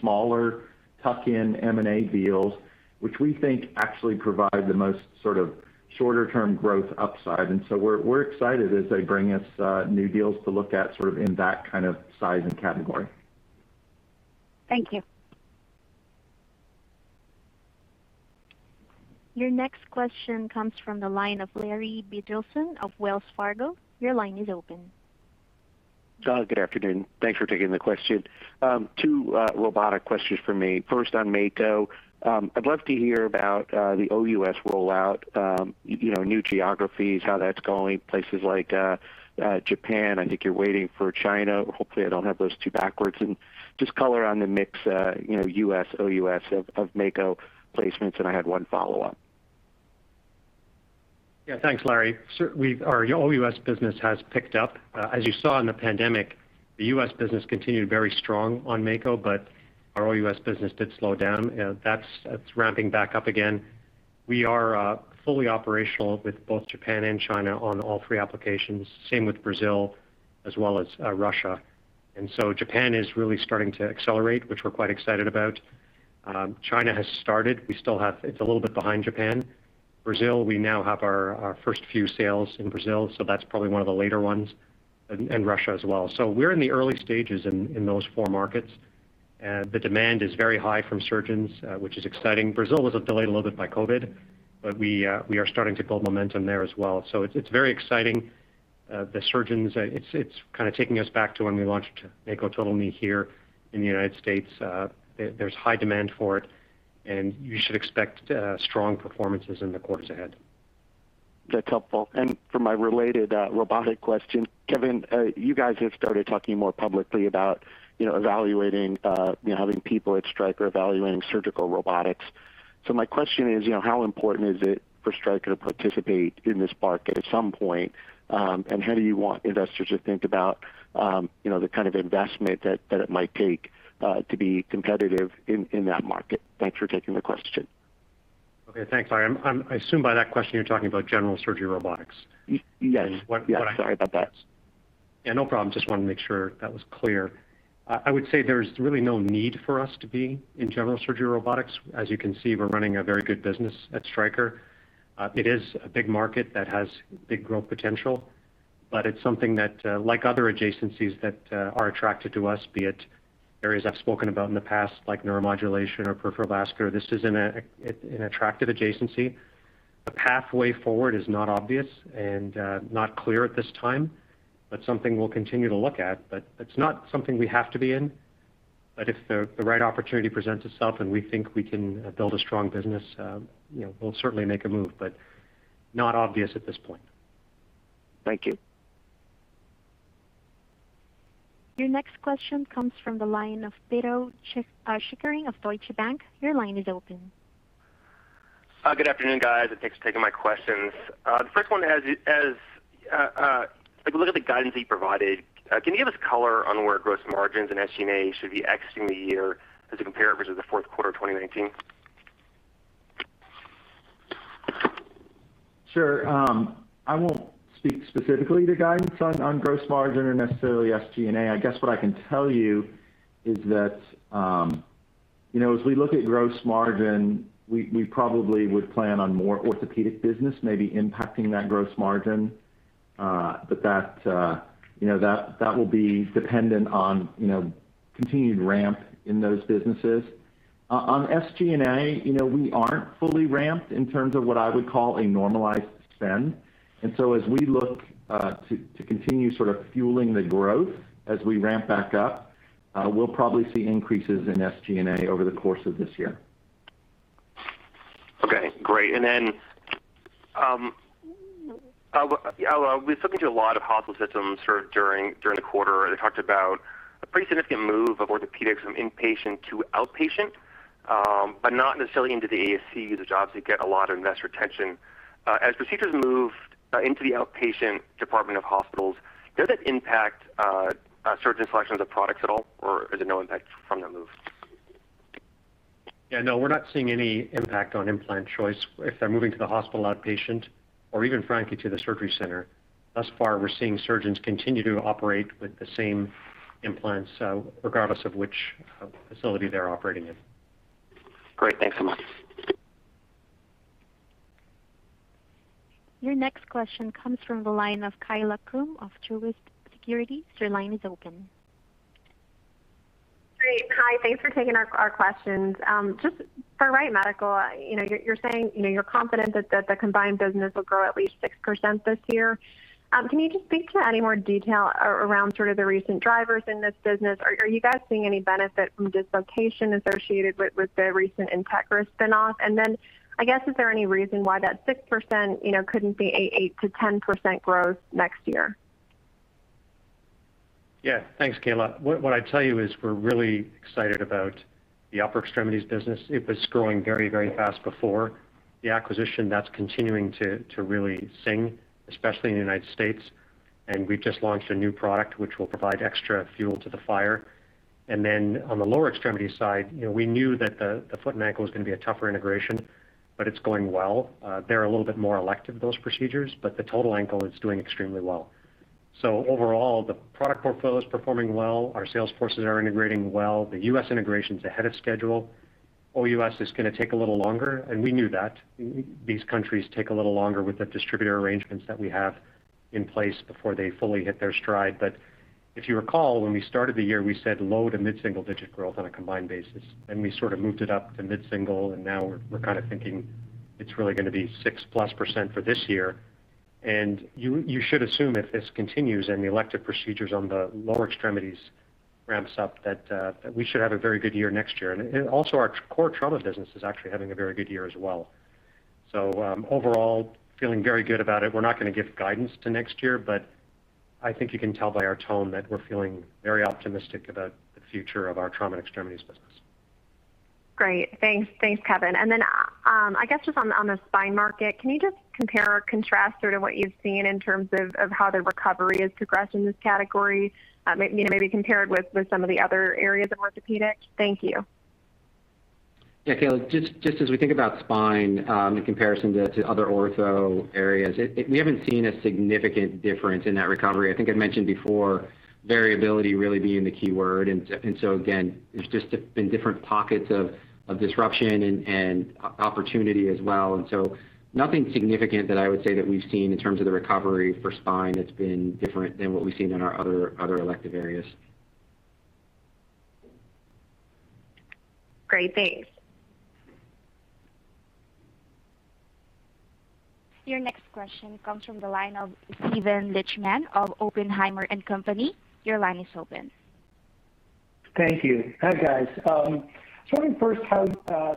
smaller tuck-in M&A deals, which we think actually provide the most sort of shorter-term growth upside. We're excited as they bring us new deals to look at sort of in that kind of size and category. Thank you. Your next question comes from the line of Larry Biegelsen of Wells Fargo. Your line is open. Doug, good afternoon. Thanks for taking the question. Two robotic questions from me. First on Mako. I'd love to hear about the OUS rollout, new geographies, how that's going, places like Japan. I think you're waiting for China. Hopefully, I don't have those two backwards. Just color on the mix, U.S., OUS of Mako placements. I had one follow-up. Thanks, Larry. Our OUS business has picked up. As you saw in the pandemic, the U.S. business continued very strong on Mako, but our OUS business did slow down. That's ramping back up again. We are fully operational with both Japan and China on all three applications, same with Brazil as well as Russia. Japan is really starting to accelerate, which we're quite excited about. China has started. It's a little bit behind Japan. Brazil, we now have our first few sales in Brazil, so that's probably one of the later ones, and Russia as well. We're in the early stages in those four markets. The demand is very high from surgeons, which is exciting. Brazil was delayed a little bit by COVID, we are starting to build momentum there as well. It's very exciting. The surgeons, it's kind of taking us back to when we launched Mako Total Knee here in the U.S. There's high demand for it, and you should expect strong performances in the quarters ahead. That's helpful. For my related robotic question, Kevin, you guys have started talking more publicly about having people at Stryker evaluating surgical robotics. My question is, how important is it for Stryker to participate in this market at some point? How do you want investors to think about the kind of investment that it might take to be competitive in that market? Thanks for taking the question. Okay. Thanks, Larry. I assume by that question, you're talking about general surgery robotics. Yes. Sorry about that. Yeah, no problem. Just wanted to make sure that was clear. I would say there's really no need for us to be in general surgery robotics. As you can see, we're running a very good business at Stryker. It is a big market that has big growth potential, but it's something that, like other adjacencies that are attractive to us, be it areas I've spoken about in the past, like neuromodulation or peripheral vascular, this is an attractive adjacency. The pathway forward is not obvious and not clear at this time, but something we'll continue to look at. It's not something we have to be in. If the right opportunity presents itself and we think we can build a strong business, we'll certainly make a move, but not obvious at this point. Thank you. Your next question comes from the line of Pito Chickering of Deutsche Bank. Your line is open. Good afternoon, guys, and thanks for taking my questions. The first one is, like, look at the guidance you provided. Can you give us color on where gross margins and SG&A should be exiting the year as a compare versus the Q4 of 2019? Sure. I won't speak specifically to guidance on gross margin or necessarily SG&A. I guess what I can tell you is that as we look at gross margin, we probably would plan on more Orthopaedics business maybe impacting that gross margin. That will be dependent on continued ramp in those businesses. On SG&A, we aren't fully ramped in terms of what I would call a normalized spend. As we look to continue sort of fueling the growth as we ramp back up, we'll probably see increases in SG&A over the course of this year. Okay. Great. We've spoken to a lot of hospital systems sort of during the quarter. They talked about a pretty significant move of orthopedics from inpatient to outpatient, but not necessarily into the ASC, uncertain that get a lot of investor attention. As procedures moved into the outpatient department of hospitals, does it impact surgeon selection of the products at all, or is it no impact from that move? No, we're not seeing any impact on implant choice if they're moving to the hospital outpatient or even, frankly, to the surgery center. Thus far, we're seeing surgeons continue to operate with the same implants regardless of which facility they're operating in. Great. Thanks so much. Your next question comes from the line of Kaila Krum of Truist Securities. Great. Hi, thanks for taking our questions. Just for Wright Medical, you're saying you're confident that the combined business will grow at least 6% this year. Can you just speak to any more detail around sort of the recent drivers in this business? Are you guys seeing any benefit from dislocation associated with the recent Integra spin-off? Then, I guess, is there any reason why that 6% couldn't be a 8%-10% growth next year? Yeah. Thanks, Kaila. What I'd tell you is we're really excited about the upper extremities business. It was growing very, very fast before the acquisition. That's continuing to really sing, especially in the U.S., and we've just launched a new product which will provide extra fuel to the fire. On the lower extremities side, we knew that the foot and ankle was going to be a tougher integration, but it's going well. They're a little bit more elective, those procedures, but the total ankle is doing extremely well. Overall, the product portfolio is performing well. Our sales forces are integrating well. The U.S. integration's ahead of schedule. OUS is going to take a little longer, and we knew that. These countries take a little longer with the distributor arrangements that we have in place before they fully hit their stride. If you recall, when we started the year, we said low- to mid-single-digit growth on a combined basis, then we sort of moved it up to mid-single, and now we're kind of thinking it's really going to be 6+% for this year. You should assume, if this continues and the elective procedures on the lower extremities ramps up, that we should have a very good year next year. Also our core trauma business is actually having a very good year as well. Overall, we are feeling very good about it. We're not going to give guidance to next year, but I think you can tell by our tone that we're feeling very optimistic about the future of our trauma and extremities business. Great. Thanks, Kevin. Then, I guess just on the spine market, can you just compare or contrast sort of what you've seen in terms of how the recovery has progressed in this category? Maybe compare it with some of the other areas of Orthopaedics. Thank you. Yeah, Kaila, just as we think about spine in comparison to other ortho areas, we haven't seen a significant difference in that recovery. I think I mentioned before, variability really being the key word, again, there's just been different pockets of disruption and opportunity as well. Nothing significant that I would say that we've seen in terms of the recovery for spine that's been different than what we've seen in our other elective areas. Great, thanks. Your next question comes from the line of Steven Lichtman of Oppenheimer & Co. Your line is open. Thank you. Hi, guys. Starting first, can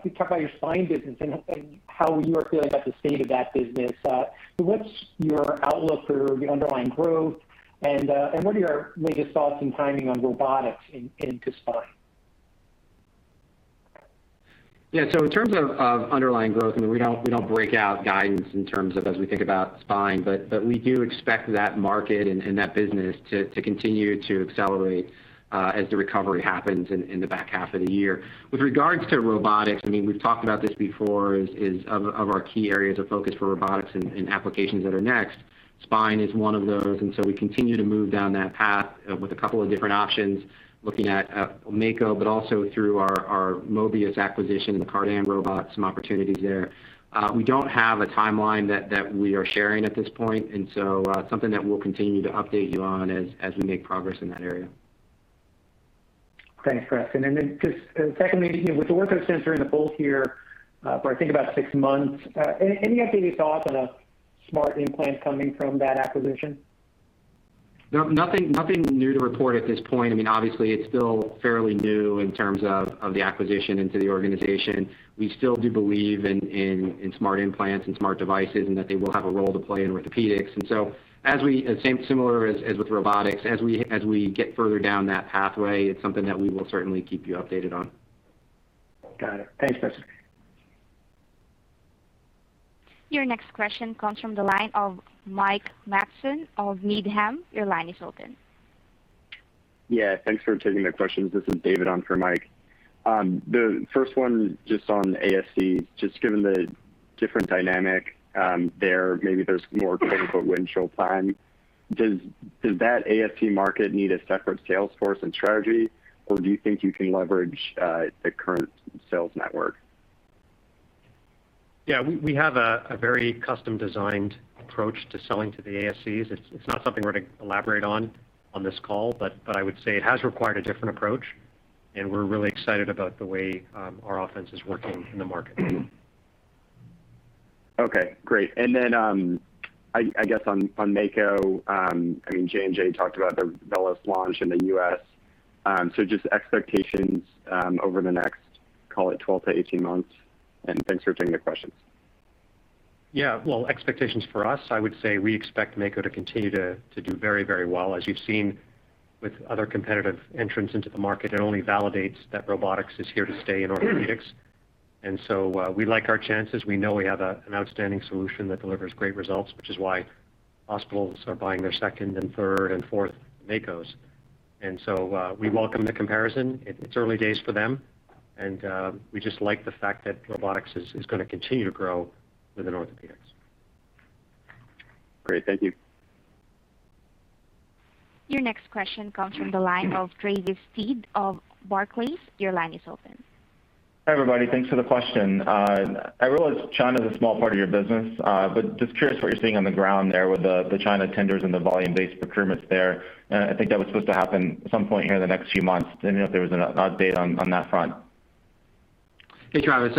you talk about your spine business and how you are feeling about the state of that business? What's your outlook for the underlying growth, and what are your latest thoughts in timing on robotics into spine? Yeah. In terms of underlying growth, I mean, we don't break out guidance in terms of as we think about Spine, but we do expect that market and that business to continue to accelerate as the recovery happens in the back half of the year. With regards to Robotics, I mean, we've talked about this before, is of our key areas of focus for Robotics and applications that are next, Spine is one of those. We continue to move down that path with a couple of different options, looking at Mako, but also through our Mobius acquisition and the Cardan robot, some opportunities there. We don't have a timeline that we are sharing at this point, and so something that we'll continue to update you on as we make progress in that area. Thanks, Preston. Then just secondly, with OrthoSensor in the fold here for I think about six months, any updated thoughts on a smart implant coming from that acquisition? No, nothing new to report at this point. I mean, obviously it's still fairly new in terms of the acquisition into the organization. We still do believe in smart implants and smart devices, that they will have a role to play in Orthopaedics. Similar as with robotics, as we get further down that pathway, it's something that we will certainly keep you updated on. Got it. Thanks, Preston. Your next question comes from the line of Mike Matson of Needham. Your line is open. Yeah, thanks for taking the questions. This is David on for Mike. The first one, just on ASC, just given the different dynamic there, maybe there's more quote-unquote "windshield time." Does that ASC market need a separate sales force and strategy, or do you think you can leverage the current sales network? Yeah. We have a very custom-designed approach to selling to the ASCs. It's not something we're going to elaborate on this call, but I would say it has required a different approach, and we're really excited about the way our offense is working in the market. Okay, great. I guess on Mako, I mean, J&J talked about the VELYS launch in the U.S., just expectations over the next, call it 12-18 months. Thanks for taking the questions. Yeah. Well, expectations for us, I would say we expect Mako to continue to do very, very well. As you've seen with other competitive entrants into the market, it only validates that robotics is here to stay in Orthopaedics. We like our chances. We know we have an outstanding solution that delivers great results, which is why hospitals are buying their second and third and fourth Makos. We welcome the comparison. It's early days for them, and we just like the fact that robotics is going to continue to grow within Orthopaedics. Great. Thank you. Your next question comes from the line of Travis Steed of Barclays. Your line is open. Hi, everybody. Thanks for the question. I realize China's a small part of your business, but just curious what you're seeing on the ground there with the China tenders and the volume-based procurements there. I think that was supposed to happen at some point here in the next few months. Didn't know if there was an update on that front. Hey, Travis.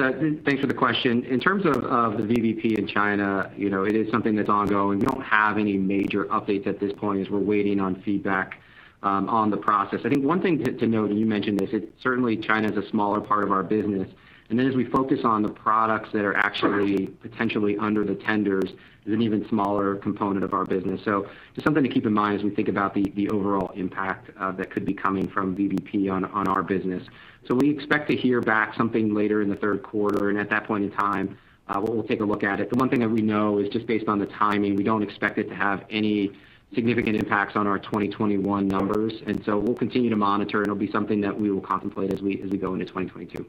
Thanks for the question. In terms of the VBP in China, it is something that's ongoing. We don't have any major updates at this point as we're waiting on feedback on the process. I think one thing to note that you mentioned is that certainly China's a smaller part of our business, and then as we focus on the products that are actually potentially under the tenders, is an even smaller component of our business. Just something to keep in mind as we think about the overall impact that could be coming from VBP on our business. We expect to hear back something later in the Q3, and at that point in time, we'll take a look at it. The one thing that we know is just based on the timing, we don't expect it to have any significant impacts on our 2021 numbers, and so we'll continue to monitor, and it'll be something that we will contemplate as we go into 2022.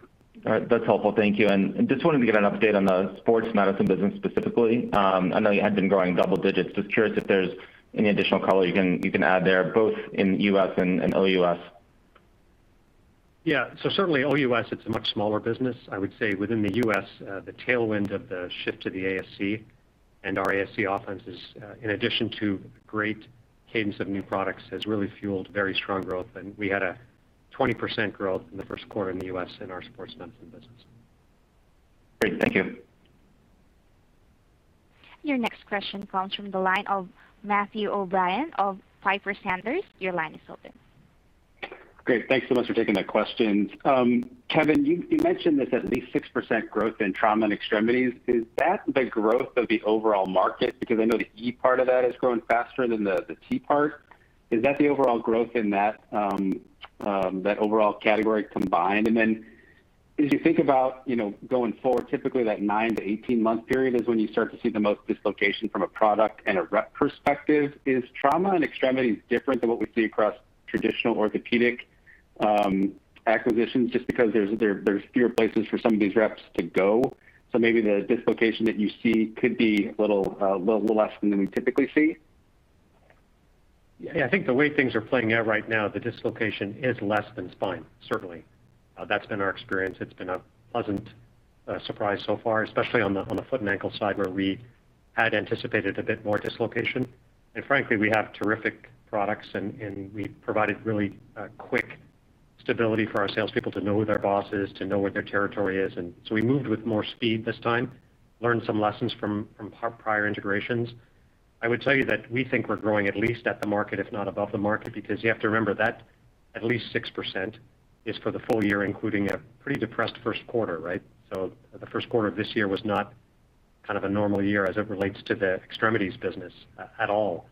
All right. That's helpful. Thank you. Just wanted to get an update on the Sports Medicine business specifically. I know you had been growing double digits. Just curious if there's any additional color you can add there, both in U.S. and OUS. Yeah. Certainly OUS, it's a much smaller business. I would say within the U.S., the tailwind of the shift to the ASC and our ASC offense is, in addition to great cadence of new products, has really fueled very strong growth. We had a 20% growth in the Q1 in the U.S. in our Sports Medicine business. Great. Thank you. Your next question comes from the line of Matthew O'Brien of Piper Sandler. Your line is open. Great. Thanks so much for taking the questions. Kevin, you mentioned this at least 6% growth in Trauma and Extremities. Is that the growth of the overall market? I know the E part of that is growing faster than the T part. Is that the overall growth in that overall category combined? As you think about going forward, typically that nine-18 month period is when you start to see the most dislocation from a product and a rep perspective. Is Trauma and Extremities different than what we see across traditional Orthopaedics acquisitions, just because there's fewer places for some of these reps to go? Maybe the dislocation that you see could be a little less than we typically see? Yeah, I think the way things are playing out right now, the dislocation is less than Spine, certainly. That's been our experience. It's been a pleasant surprise so far, especially on the foot and ankle side where we had anticipated a bit more dislocation. Frankly, we have terrific products, and we provided really quick stability for our salespeople to know who their boss is, to know where their territory is. We moved with more speed this time, learned some lessons from prior integrations. I would tell you that we think we're growing at least at the market, if not above the market, because you have to remember that at least 6% is for the full-year, including a pretty depressed Q1, right? The first quarter of this year was not kind of a normal year as it relates to the Extremities business at all.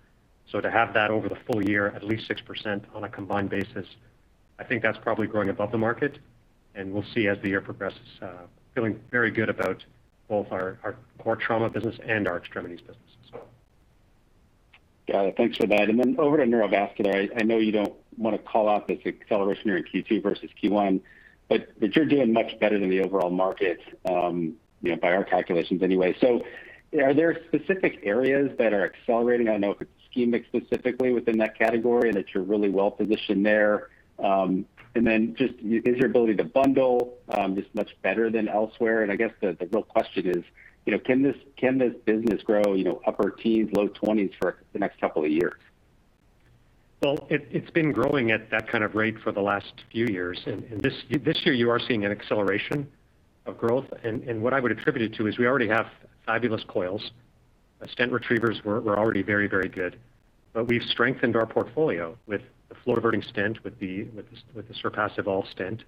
To have that over the full-year, at least 6% on a combined basis, I think that's probably growing above the market, and we'll see as the year progresses. Feeling very good about both our core Trauma business and our Extremities business as well. Got it. Thanks for that. Then over to Neurovascular, I know you don't want to call out this acceleration here in Q2 versus Q1, but you're doing much better than the overall market, by our calculations anyway. Are there specific areas that are accelerating? I know if it's ischemic specifically within that category, and that you're really well-positioned there. Then just, is your ability to bundle just much better than elsewhere? I guess the real question is, can this business grow upper teens, low 20s for the next couple of years? Well, it's been growing at that kind of rate for the last few years, this year you are seeing an acceleration of growth. What I would attribute it to is we already have fabulous coils. Our stent retrievers were already very, very good. We've strengthened our portfolio with the flow diverting stent, with the Surpass Evolve stent,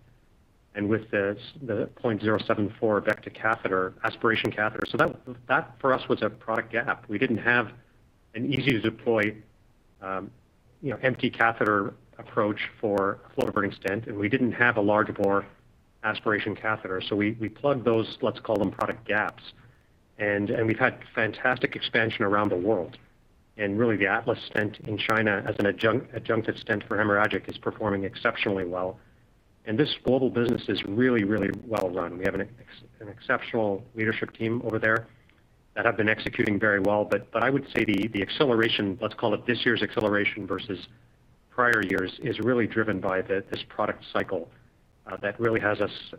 and with the 0.074 Vecta aspiration catheter. That for us was a product gap. We didn't have an easy-to-deploy uncertain approach for a flow diverting stent, and we didn't have a larger bore aspiration catheter. We plugged those, let's call them product gaps. We've had fantastic expansion around the world. Really, the Atlas stent in China as an adjunctive stent for hemorrhagic is performing exceptionally well. This global business is really, really well-run. We have an exceptional leadership team over there that have been executing very well. I would say the acceleration, let's call it this year's acceleration versus prior years, is really driven by this product cycle that really has us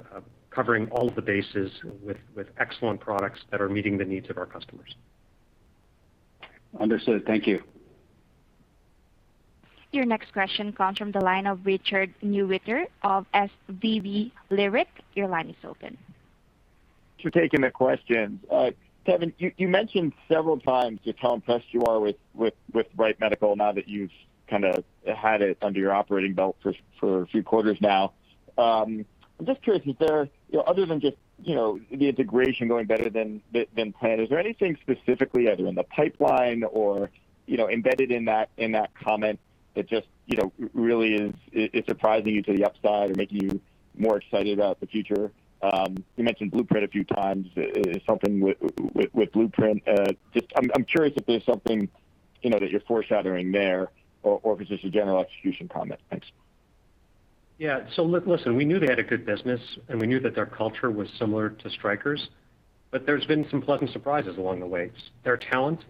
covering all of the bases with excellent products that are meeting the needs of our customers. Understood. Thank you. Your next question comes from the line of Richard Newitter of SVB Leerink. Your line is open. Thanks for taking the questions. Kevin, you mentioned several times just how impressed you are with Wright Medical now that you've kind of had it under your operating belt for a few quarters now. I'm just curious if there, other than just the integration going better than planned, is there anything specifically either in the pipeline or embedded in that comment that just really is surprising you to the upside or making you more excited about the future? You mentioned Blueprint a few times. Is something with Blueprint Just, I'm curious if there's something that you're foreshadowing there, or if it's just a general execution comment. Thanks. Yeah. Listen, we knew they had a good business, and we knew that their culture was similar to Stryker's. There's been some pleasant surprises along the way. Their talent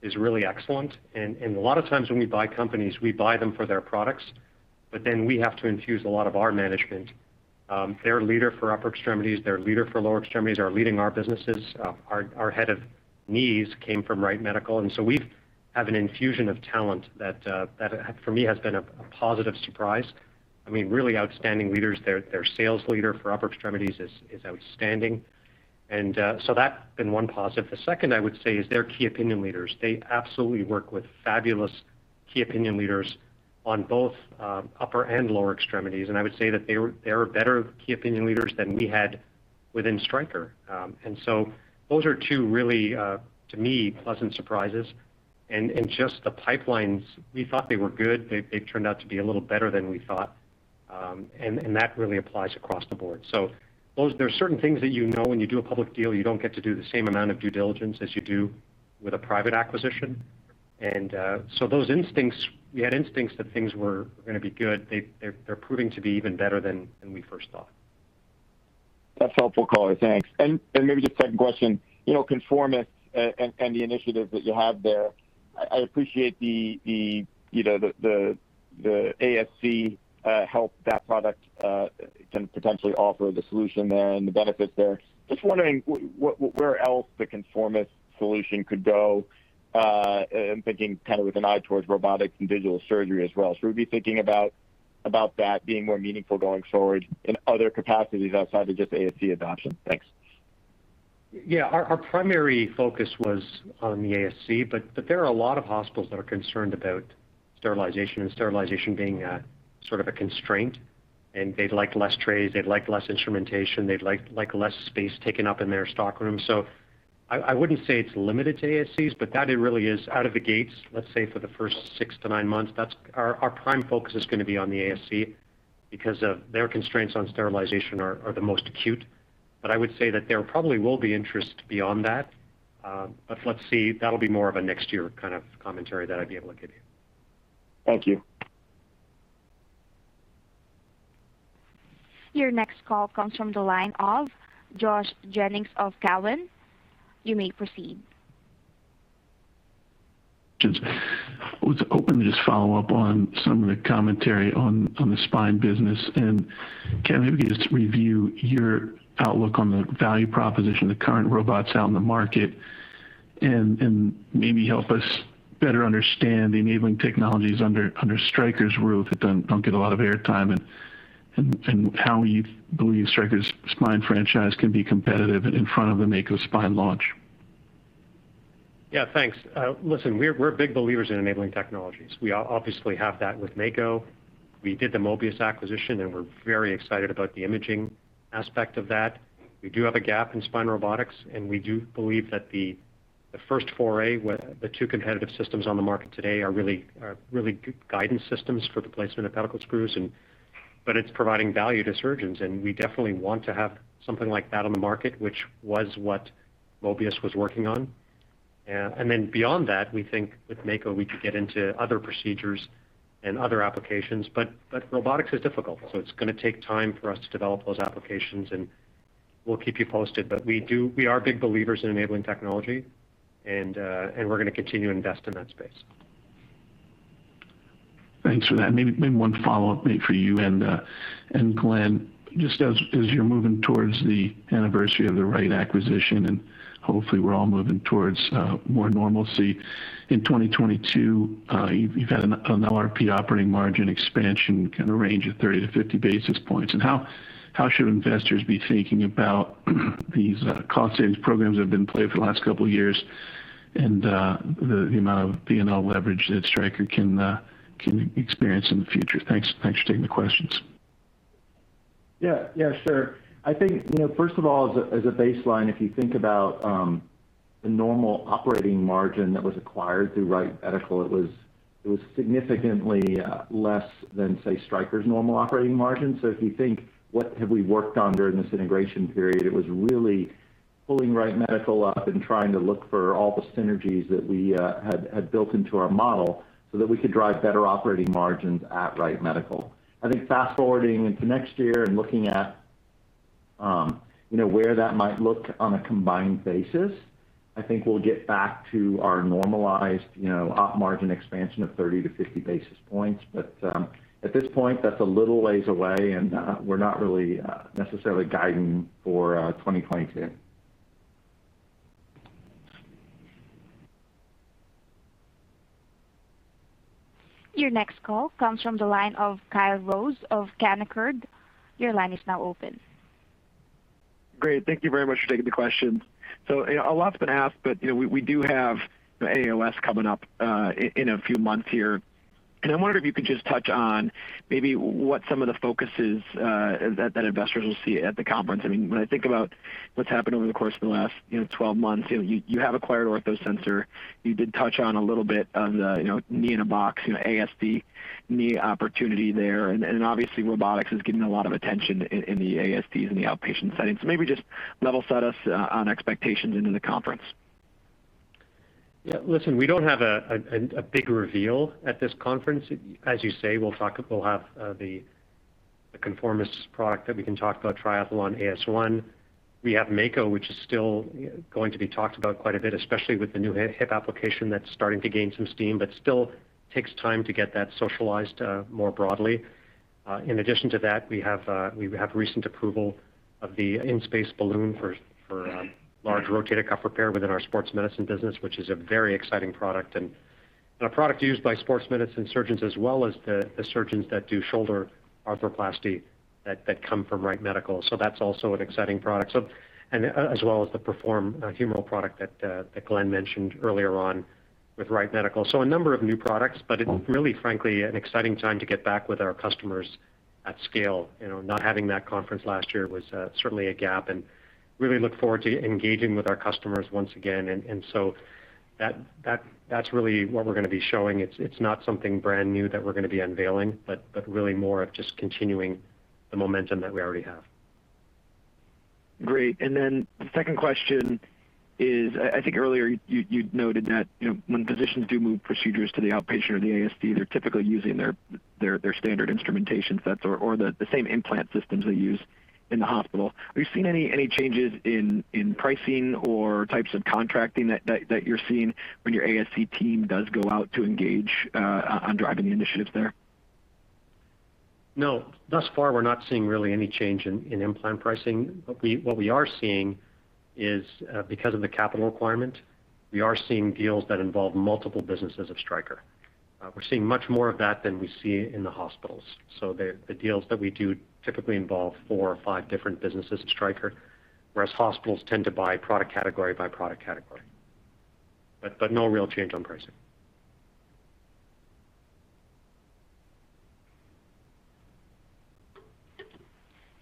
is really excellent, and a lot of times when we buy companies, we buy them for their products. Then we have to infuse a lot of our management. Their leader for upper extremities, their leader for lower extremities are leading our businesses. Our head of knees came from Wright Medical. We have an infusion of talent that, for me, has been a positive surprise. Really outstanding leaders. Their sales leader for upper extremities is outstanding. That's been one positive. The second I would say is their key opinion leaders. They absolutely work with fabulous key opinion leaders on both upper and lower extremities. I would say that they're better key opinion leaders than we had within Stryker. Those are two really, to me, pleasant surprises. Just the pipelines, we thought they were good. They turned out to be a little better than we thought. That really applies across the board. There are certain things that you know when you do a public deal, you don't get to do the same amount of due diligence as you do with a private acquisition. Those instincts, we had instincts that things were going to be good. They're proving to be even better than we first thought. That's helpful, Kevin Lobo. Thanks. Maybe just second question. Conformis and the initiative that you have there, I appreciate the ASC help that product can potentially offer the solution there and the benefits there. Just wondering where else the Conformis solution could go. I'm thinking kind of with an eye towards robotics and digital surgery as well. Would we be thinking about that being more meaningful going forward in other capacities outside of just ASC adoption? Thanks. Our primary focus was on the ASC, but there are a lot of hospitals that are concerned about sterilization and sterilization being sort of a constraint, and they'd like less trays, they'd like less instrumentation, they'd like less space taken up in their stockroom. I wouldn't say it's limited to ASCs, but that it really is out of the gates, let's say, for the first six-nine months, our prime focus is going to be on the ASC because of their constraints on sterilization are the most acute. I would say that there probably will be interest beyond that. Let's see, that'll be more of a next year kind of commentary that I'd be able to give you. Thank you. Your next call comes from the line of Joshua Jennings of Cowen. You may proceed. I was hoping to just follow-up on some of the commentary on the spine business, and can maybe just review your outlook on the value proposition of the current robots out in the market and maybe help us better understand the enabling technologies under Stryker's roof that don't get a lot of air time and how you believe Stryker's spine franchise can be competitive in front of the Mako spine launch. Yeah, thanks. Listen, we're big believers in enabling technologies. We obviously have that with Mako. We did the Mobius acquisition, and we're very excited about the imaging aspect of that. We do have a gap in spine robotics, and we do believe that the first foray with the two competitive systems on the market today are really good guidance systems for the placement of pedicle screws, but it's providing value to surgeons, and we definitely want to have something like that on the market, which was what Mobius was working on. Beyond that, we think with Mako, we could get into other procedures and other applications. Robotics is difficult, so it's going to take time for us to develop those applications, and we'll keep you posted. We are big believers in enabling technology, and we're going to continue to invest in that space. Thanks for that. Maybe one follow-up, maybe for you and Glenn. Just as you're moving towards the anniversary of the Wright acquisition, and hopefully, we're all moving towards more normalcy in 2022. You've had an uncertain operating margin expansion kind of range of 30-50 basis points. How should investors be thinking about these cost savings programs that have been played for the last couple of years and the amount of P&L leverage that Stryker can experience in the future? Thanks for taking the questions. Yeah, sure. I think, first of all, as a baseline, if you think about the normal operating margin that was acquired through Wright Medical, it was significantly less than, say, Stryker's normal operating margin. If you think what have we worked on during this integration period, it was really pulling Wright Medical up and trying to look for all the synergies that we had built into our model so that we could drive better operating margins at Wright Medical. I think fast-forwarding into next year and looking at where that might look on a combined basis, I think we'll get back to our normalized op margin expansion of 30-50 basis points. At this point, that's a little ways away, and we're not really necessarily guiding for 2022. Your next call comes from the line of Kyle Rose of Canaccord. Your line is now open. Great. Thank you very much for taking the questions. A lot's been asked, but we do have the AAOS coming up in a few months here, and I wondered if you could just touch on maybe what some of the focuses that investors will see at the conference. When I think about what's happened over the course of the last 12 months, you have acquired OrthoSensor. You did touch on a little bit on the knee in a box, ASC knee opportunity there. Obviously, robotics is getting a lot of attention in the ASCs in the outpatient setting. Maybe just level set us on expectations into the conference. Yeah. Listen, we don't have a big reveal at this conference. As you say, we'll have the Conformis product that we can talk about Triathlon ASC. We have Mako, which is still going to be talked about quite a bit, especially with the new hip application that's starting to gain some steam, but still takes time to get that socialized more broadly. In addition to that, we have recent approval of the InSpace balloon for large rotator cuff repair within our sports medicine business, which is a very exciting product, and a product used by sports medicine surgeons as well as the surgeons that do shoulder arthroplasty that come from Wright Medical. That's also an exciting product. As well as the Perform humeral product that Glenn mentioned earlier on with Wright Medical. A number of new products, but it's really, frankly, an exciting time to get back with our customers at scale. Not having that conference last year was certainly a gap, and really look forward to engaging with our customers once again. That's really what we're going to be showing. It's not something brand new that we're going to be unveiling, but really more of just continuing the momentum that we already have. Great. The second question is, I think earlier you noted that when physicians do move procedures to the outpatient or the ASC, they're typically using their standard instrumentation sets or the same implant systems they use in the hospital. Have you seen any changes in pricing or types of contracting that you're seeing when your ASC team does go out to engage on driving the initiatives there? No. Thus far, we're not seeing really any change in implant pricing. What we are seeing is, because of the capital requirement, we are seeing deals that involve multiple businesses of Stryker. We're seeing much more of that than we see in the hospitals. The deals that we do typically involve four or five different businesses of Stryker, whereas hospitals tend to buy product category by product category. No real change on pricing.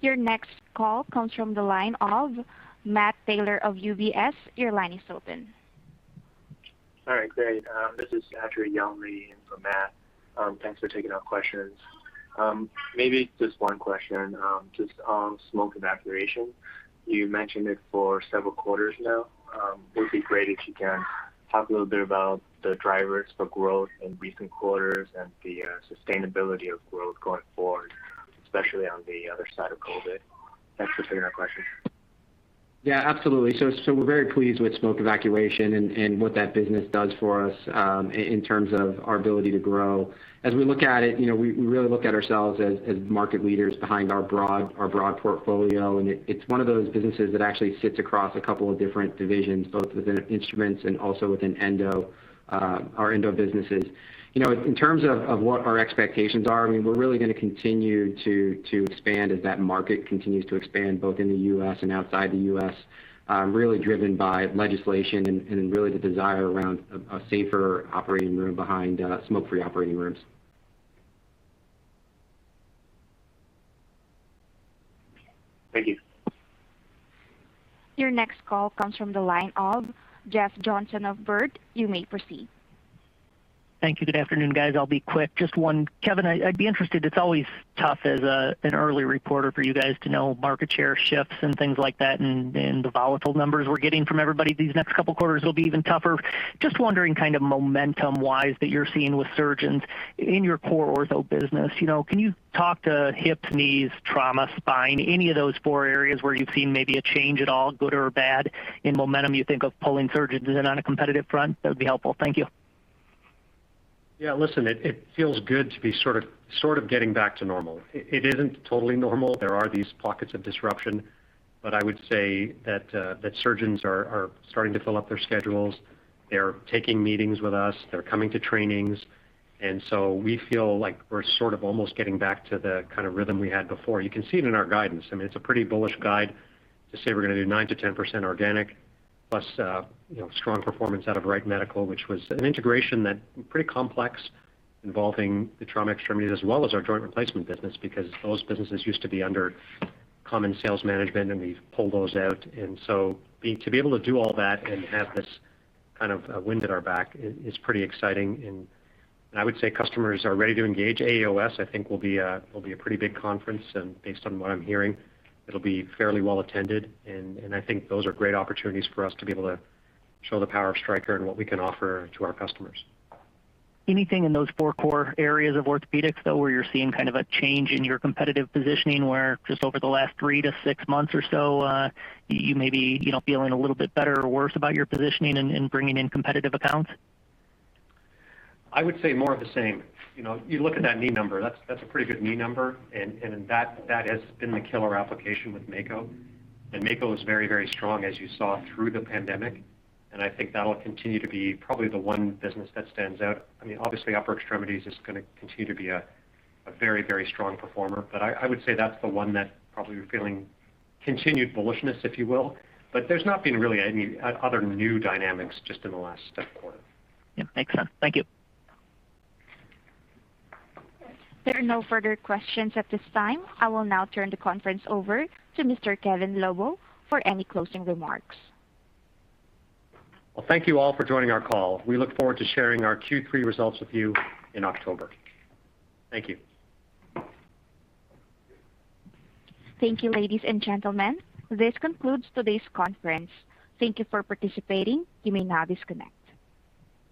Your next call comes from the line of Matthew Taylor of UBS. Your line is open. All right, great. This is actually Young Lee in for Matt. Thanks for taking our questions. Maybe just one question, just on smoke evacuation. You mentioned it for several quarters now. It would be great if you can talk a little bit about the drivers for growth in recent quarters and the sustainability of growth going forward, especially on the other side of COVID-19. Thanks for taking our question. Absolutely. We're very pleased with smoke evacuation and what that business does for us in terms of our ability to grow. As we look at it, we really look at ourselves as market leaders behind our broad portfolio, and it's one of those businesses that actually sits across a couple of different divisions, both within instruments and also within endo, our endo businesses. In terms of what our expectations are, we're really going to continue to expand as that market continues to expand, both in the U.S. and outside the U.S., really driven by legislation and really the desire around a safer operating room behind smoke-free operating rooms. Thank you. Your next call comes from the line of Jeffrey Johnson of Baird. You may proceed. Thank you. Good afternoon, guys. I'll be quick. Just one. Kevin, I'd be interested, it's always tough as an early reporter for you guys to know market share shifts and things like that, and the volatile numbers we're getting from everybody these next couple of quarters will be even tougher. I'm just wondering kind of momentum-wise that you're seeing with surgeons in your core ortho business. Can you talk to hips, knees, trauma, spine, any of those four areas where you've seen maybe a change at all, good or bad, in momentum you think of pulling surgeons in on a competitive front? That would be helpful. Thank you. Yeah, listen, it feels good to be sort of getting back to normal. It isn't totally normal. There are these pockets of disruption. I would say that surgeons are starting to fill up their schedules. They're taking meetings with us. They're coming to trainings. We feel like we're sort of almost getting back to the kind of rhythm we had before. You can see it in our guidance. I mean, it's a pretty bullish guide to say we're going to do 9%-10% organic, plus strong performance out of Wright Medical, which was an integration that, pretty complex, involving the trauma extremities as well as our joint replacement business because those businesses used to be under common sales management. We've pulled those out. To be able to do all that and have this kind of wind at our back is pretty exciting. I would say customers are ready to engage. AAOS I think will be a pretty big conference, and based on what I'm hearing, it'll be fairly well attended, and I think those are great opportunities for us to be able to show the power of Stryker and what we can offer to our customers. Anything in those four core areas of Orthopaedics, though, where you're seeing kind of a change in your competitive positioning where just over the last three-six months or so, you may be feeling a little bit better or worse about your positioning in bringing in competitive accounts? I would say more of the same. You look at that knee number. That's a pretty good knee number. That has been the killer application with Mako. Mako is very strong, as you saw through the pandemic, and I think that'll continue to be probably the one business that stands out. I mean, obviously, upper extremities is going to continue to be a very strong performer. I would say that's the one that probably we're feeling continued bullishness, if you will. There's not been really any other new dynamics just in the last quarter. Yeah, makes sense. Thank you. There are no further questions at this time. I will now turn the conference over to Mr. Kevin Lobo for any closing remarks. Well, thank you all for joining our call. We look forward to sharing our Q3 results with you in October. Thank you. Thank you, ladies and gentlemen. This concludes today's conference. Thank you for participating. You may now disconnect.